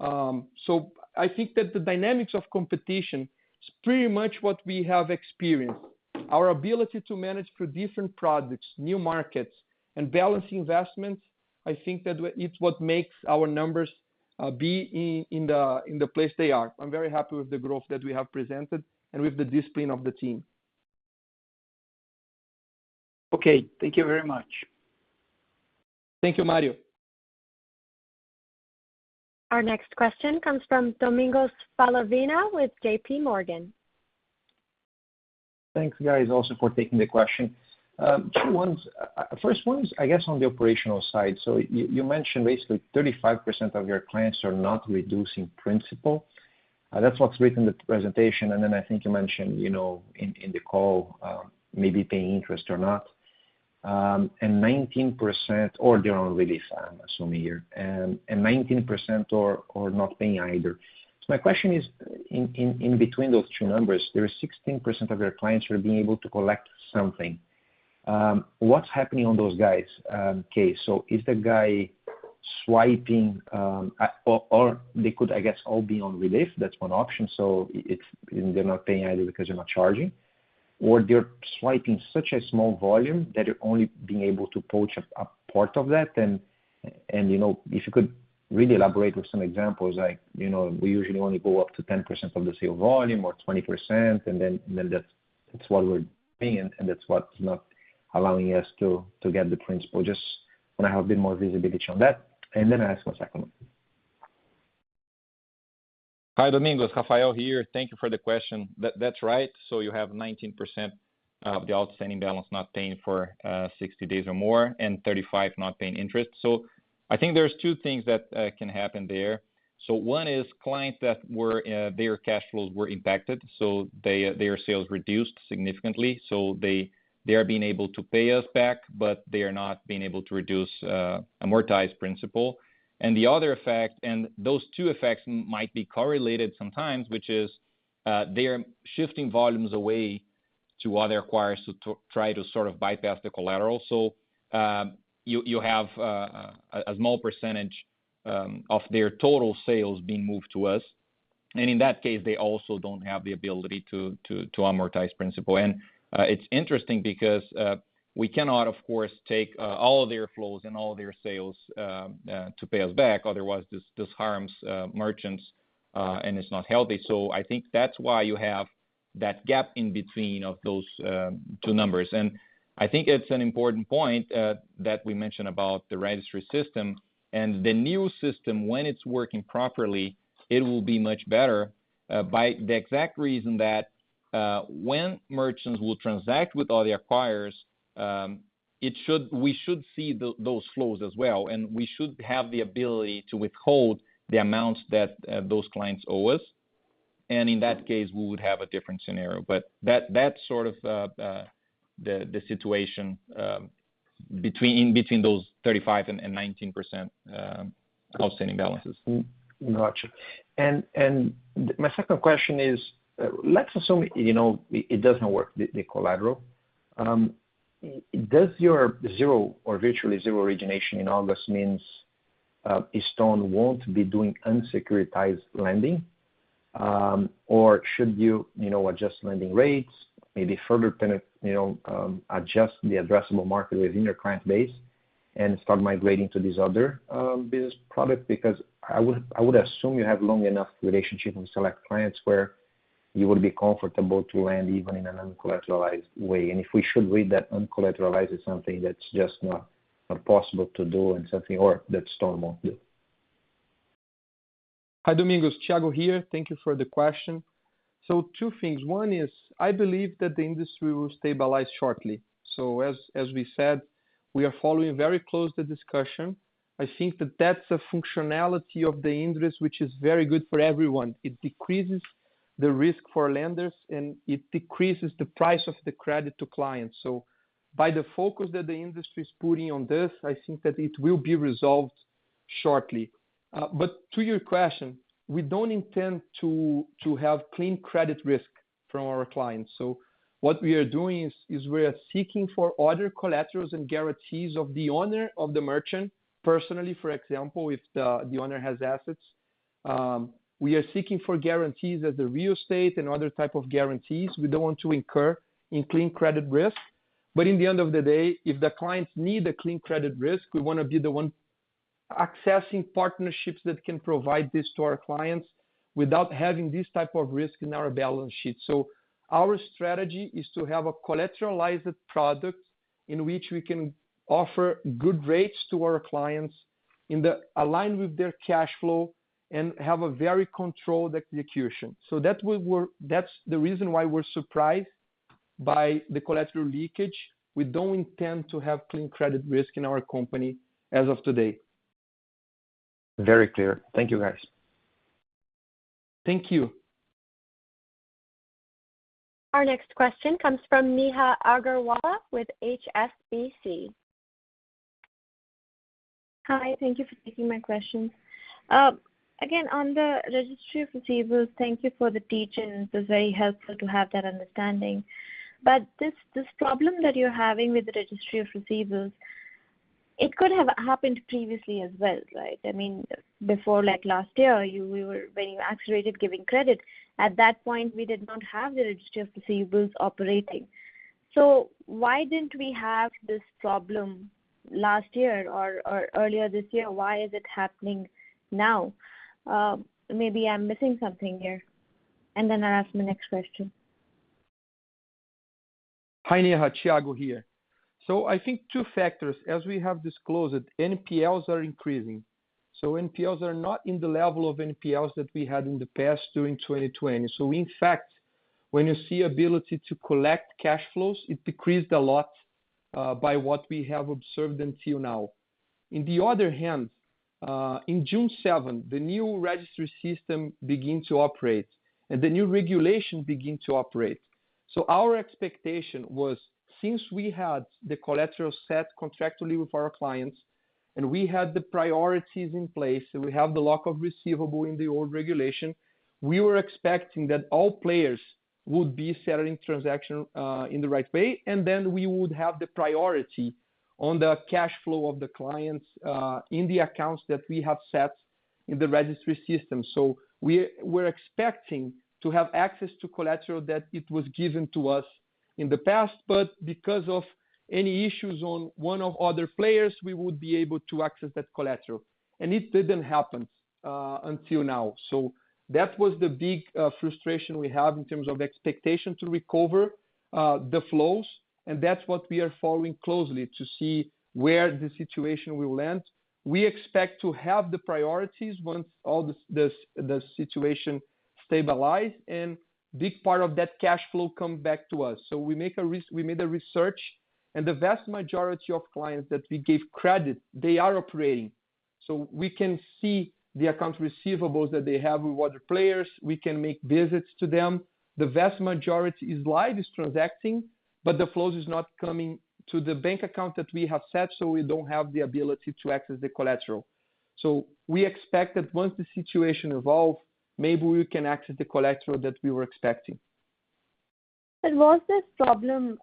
C: I think that the dynamics of competition is pretty much what we have experienced. Our ability to manage through different products, new markets, and balance investments, I think that it's what makes our numbers be in the place they are. I'm very happy with the growth that we have presented and with the discipline of the team.
I: Okay. Thank you very much.
C: Thank you, Mario.
A: Our next question comes from Domingos Falavina with JP Morgan.
J: Thanks, guys, also for taking the question. Two ones. First one is, I guess, on the operational side. You mentioned basically 35% of your clients are not reducing principal. That's what's written in the presentation, and then I think you mentioned in the call maybe paying interest or not. 19% or they're on relief, I'm assuming here. 19% are not paying either. My question is, in between those two numbers, there is 16% of your clients who are being able to collect something. What's happening on those guys' case? Is the guy swiping or they could, I guess, all be on relief, that's one option. They're not paying either because they're not charging or they're swiping such a small volume that you're only being able to poach a part of that. If you could really elaborate with some examples, like we usually only go up to 10% of the sale volume or 20%, then that's what we're paying, and that's what's not allowing us to get the principal. Just want to have a bit more visibility on that. I ask one second one.
B: Hi, Domingos. Rafael here. Thank you for the question. That's right. You have 19% of the outstanding balance not paying for 60 days or more and 35 not paying interest. I think there's two things that can happen there. One is clients that their cash flows were impacted, their sales reduced significantly. They are being able to pay us back, but they are not being able to reduce amortized principal. The other effect, and those two effects might be correlated sometimes, which is they are shifting volumes away to other acquirers to try to sort of bypass the collateral. You have a small percentage of their total sales being moved to us. In that case, they also don't have the ability to amortize principal. It's interesting because we cannot, of course, take all of their flows and all of their sales to pay us back. Otherwise, this harms merchants and it's not healthy. I think that's why you have that gap in between of those two numbers. I think it's an important point that we mentioned about the registry system. The new system, when it's working properly, it will be much better by the exact reason that when merchants will transact with other acquirers, we should see those flows as well, and we should have the ability to withhold the amounts that those clients owe us. In that case, we would have a different scenario. That's sort of the situation in between those 35% and 19% outstanding balances.
J: Got you. My second question is, let's assume it doesn't work, the collateral. Does your 0 or virtually 0 origination in August means Stone won't be doing unsecuritized lending? Should you adjust lending rates, maybe further adjust the addressable market within your client base and start migrating to this other business product? I would assume you have long enough relationship with select clients where you would be comfortable to lend even in an uncollateralized way. If we should read that uncollateralized is something that's just not possible to do or that Stone won't do.
C: Hi, Domingos. Thiago here. Thank you for the question. Two things. One is, I believe that the industry will stabilize shortly. As we said, we are following very close the discussion. I think that that's a functionality of the industry which is very good for everyone. It decreases the risk for lenders, and it decreases the price of the credit to clients. By the focus that the industry is putting on this, I think that it will be resolved shortly. To your question, we don't intend to have clean credit risk from our clients. What we are doing is we are seeking for other collaterals and guarantees of the owner of the merchant personally. For example, if the owner has assets. We are seeking for guarantees of the real estate and other type of guarantees. We don't want to incur in clean credit risk. In the end of the day, if the clients need a clean credit risk, we want to be the one accessing partnerships that can provide this to our clients without having this type of risk in our balance sheet. Our strategy is to have a collateralized product in which we can offer good rates to our clients aligned with their cash flow and have a very controlled execution. That's the reason why we're surprised by the collateral leakage. We don't intend to have clean credit risk in our company as of today.
J: Very clear. Thank you, guys.
C: Thank you.
A: Our next question comes from Neha Agarwala with HSBC.
K: Hi. Thank you for taking my questions. Again, on the registry of receivables, thank you for the teach-in. It's very helpful to have that understanding. This problem that you're having with the registry of receivables, it could have happened previously as well, right? I mean, before, like last year, when you accelerated giving credit. At that point, we did not have the registry of receivables operating. Why didn't we have this problem last year or earlier this year? Why is it happening now? Maybe I'm missing something here. I'll ask my next question.
C: Hi, Neha. Thiago here. I think two factors. As we have disclosed, NPLs are increasing. NPLs are not at the level of NPLs that we had in the past during 2020. In fact, when you see ability to collect cash flows, it decreased a lot based what we have observed until now. In the other hand, on June 7, the new registry system began to operate and the new regulation began to operate. Our expectation was—since we had the collateral set contractually with our clients and we had the priorities in place, so we had the lock of receivable in the old regulation—we were expecting that all players would be settling transaction in the right way, and then we would have the priority on the cash flow of the clients in the accounts that we have set in the registry system. We are expecting to have access to collateral that it was given to us in the past, but because of any issues on one of other players, we would be able to access that collateral. It didn't happen until now. That was the big frustration we have in terms of expectation to recover the flows, and that's what we are following closely to see where the situation will end. We expect to have the priorities once all the situation stabilize, and big part of that cash flow come back to us. We made a research and the vast majority of clients that we gave credit, they are operating. We can see the accounts receivables that they have with other players. We can make visits to them. The vast majority is live, is transacting, but the flows is not coming to the bank account that we have set, so we don't have the ability to access the collateral. We expect that once the situation evolve, maybe we can access the collateral that we were expecting.
K: Was this problem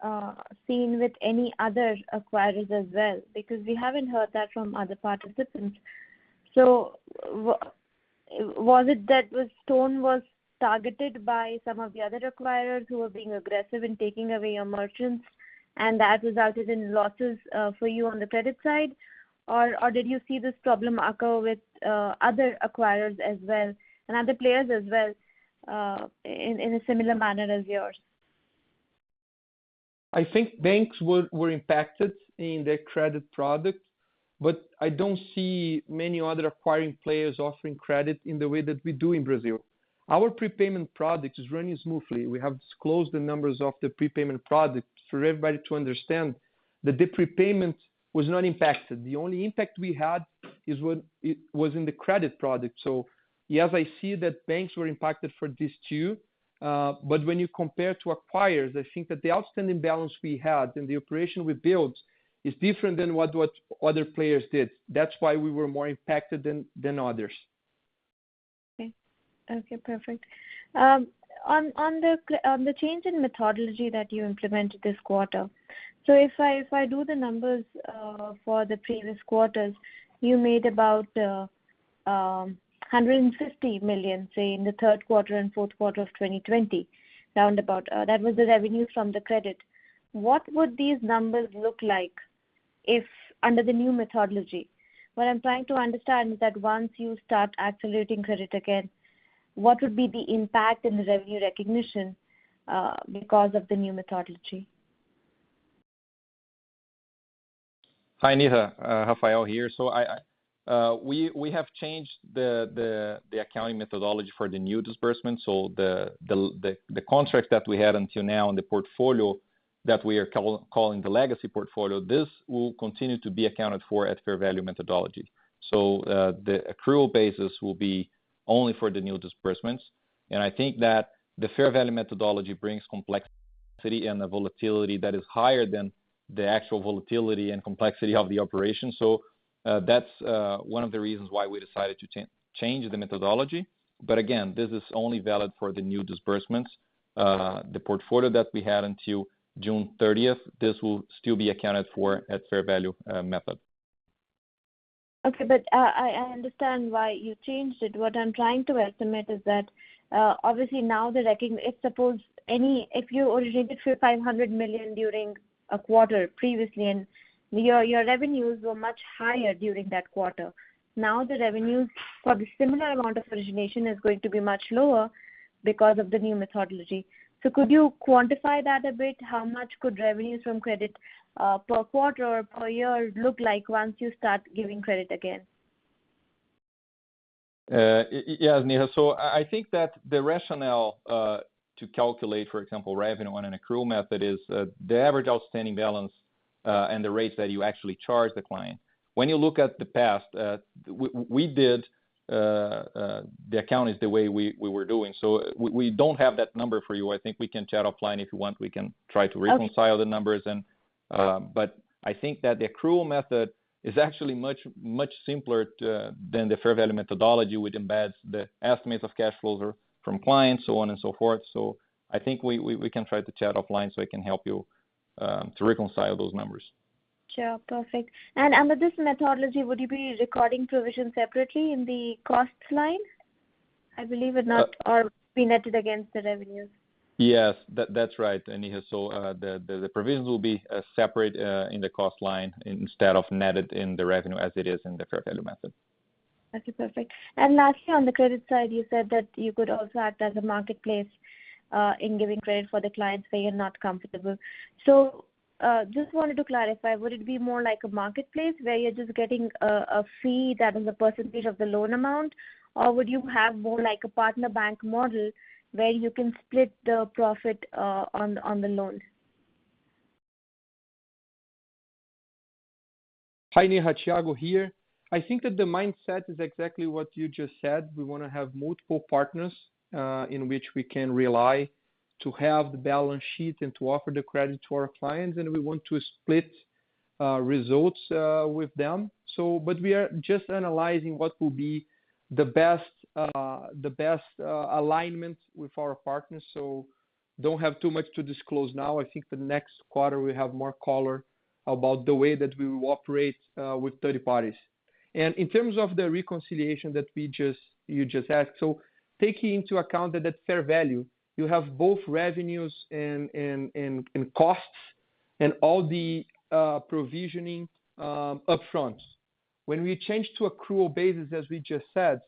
K: seen with any other acquirers as well? We haven't heard that from other participants. Was it that Stone was targeted by some of the other acquirers who were being aggressive in taking away your merchants, and that resulted in losses for you on the credit side? Did you see this problem occur with other acquirers as well and other players as well, in a similar manner as yours?
C: I think banks were impacted in their credit product, but I don't see many other acquiring players offering credit in the way that we do in Brazil. Our prepayment product is running smoothly. We have disclosed the numbers of the prepayment product for everybody to understand that the prepayment was not impacted. The only impact we had is what it was in the credit product. Yes, I see that banks were impacted for this too. When you compare to acquirers, I think that the outstanding balance we had and the operation we built is different than what other players did. That's why we were more impacted than others.
K: Okay. Perfect. On the change in methodology that you implemented this quarter. If I do the numbers for the previous quarters, you made about 150 million, say, in the third quarter and fourth quarter of 2020, round about. That was the revenue from the credit. What would these numbers look like if under the new methodology? What I'm trying to understand is that once you start accelerating credit again, what would be the impact in the revenue recognition, because of the new methodology?
B: Hi, Neha. Rafael here. We have changed the accounting methodology for the new disbursement. The contract that we had until now and the portfolio that we are calling the legacy portfolio, this will continue to be accounted for at fair value methodology. The accrual basis will be only for the new disbursements, and I think that the fair value methodology brings complexity and a volatility that is higher than the actual volatility and complexity of the operation. That's one of the reasons why we decided to change the methodology. Again, this is only valid for the new disbursements. The portfolio that we had until June 30th, this will still be accounted for at fair value method.
K: Okay. I understand why you changed it. What I'm trying to estimate is that, obviously now if you originated 500 million during a quarter previously and your revenues were much higher during that quarter. The revenues for the similar amount of origination is going to be much lower because of the new methodology. Could you quantify that a bit? How much could revenues from credit, per quarter or per year look like once you start giving credit again?
B: Yes, Neha. I think that the rationale to calculate, for example, revenue on an accrual method is the average outstanding balance and the rates that you actually charge the client. When you look at the past, we did the accounting the way we were doing. We don't have that number for you. I think we can chat offline if you want. We can try to reconcile.
K: Okay
B: The numbers. I think that the accrual method is actually much simpler than the fair value methodology, which embeds the estimates of cash flows from clients, so on and so forth. I think we can try to chat offline so I can help you to reconcile those numbers.
K: Sure. Perfect. Under this methodology, would you be recording provision separately in the costs line, I believe it not, or be netted against the revenues?
B: Yes. That's right, Neha. The provisions will be separate in the cost line instead of netted in the revenue as it is in the fair value method.
K: Okay, perfect. Lastly, on the credit side, you said that you could also act as a marketplace in giving credit for the clients where you're not comfortable. Just wanted to clarify, would it be more like a marketplace where you're just getting a fee that is a percent of the loan amount, or would you have more like a partner bank model where you can split the profit on the loan?
C: Hi, Neha. Thiago here. I think that the mindset is exactly what you just said. We want to have multiple partners in which we can rely to have the balance sheet and to offer the credit to our clients, and we want to split results with them. We are just analyzing what will be the best alignment with our partners. Don't have too much to disclose now. I think the next quarter we have more color about the way that we will operate with third parties. In terms of the reconciliation that you just asked, taking into account that at fair value, you have both revenues and costs and all the provisioning upfront. When we change to accrual basis, as we just said,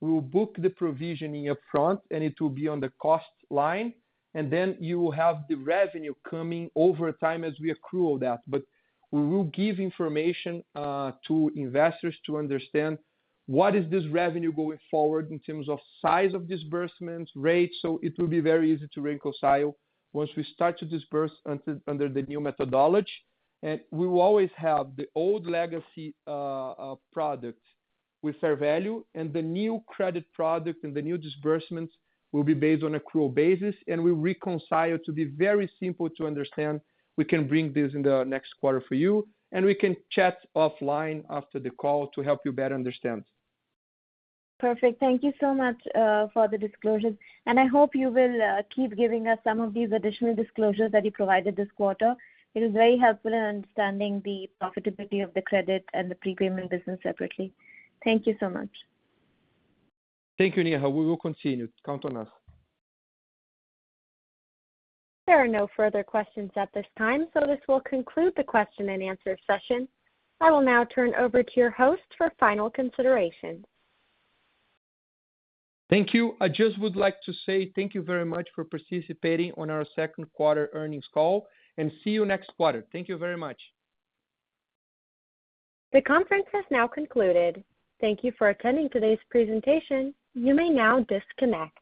C: we will book the provisioning upfront and it will be on the cost line, then you will have the revenue coming over time as we accrue that. We will give information to investors to understand what is this revenue going forward in terms of size of disbursement rates. It will be very easy to reconcile once we start to disburse under the new methodology. We will always have the old legacy product with fair value, and the new credit product and the new disbursements will be based on accrual basis, and we reconcile to be very simple to understand. We can bring this in the next quarter for you, and we can chat offline after the call to help you better understand.
K: Perfect. Thank you so much for the disclosures. I hope you will keep giving us some of these additional disclosures that you provided this quarter. It is very helpful in understanding the profitability of the credit and the prepayment business separately. Thank you so much.
C: Thank you, Neha. We will continue. Count on us.
A: There are no further questions at this time. This will conclude the question and answer session. I will now turn over to your host for final consideration.
C: Thank you. I just would like to say thank you very much for participating on our second quarter earnings call, and see you next quarter. Thank you very much.
A: The conference has now concluded. Thank you for attending today's presentation. You may now disconnect.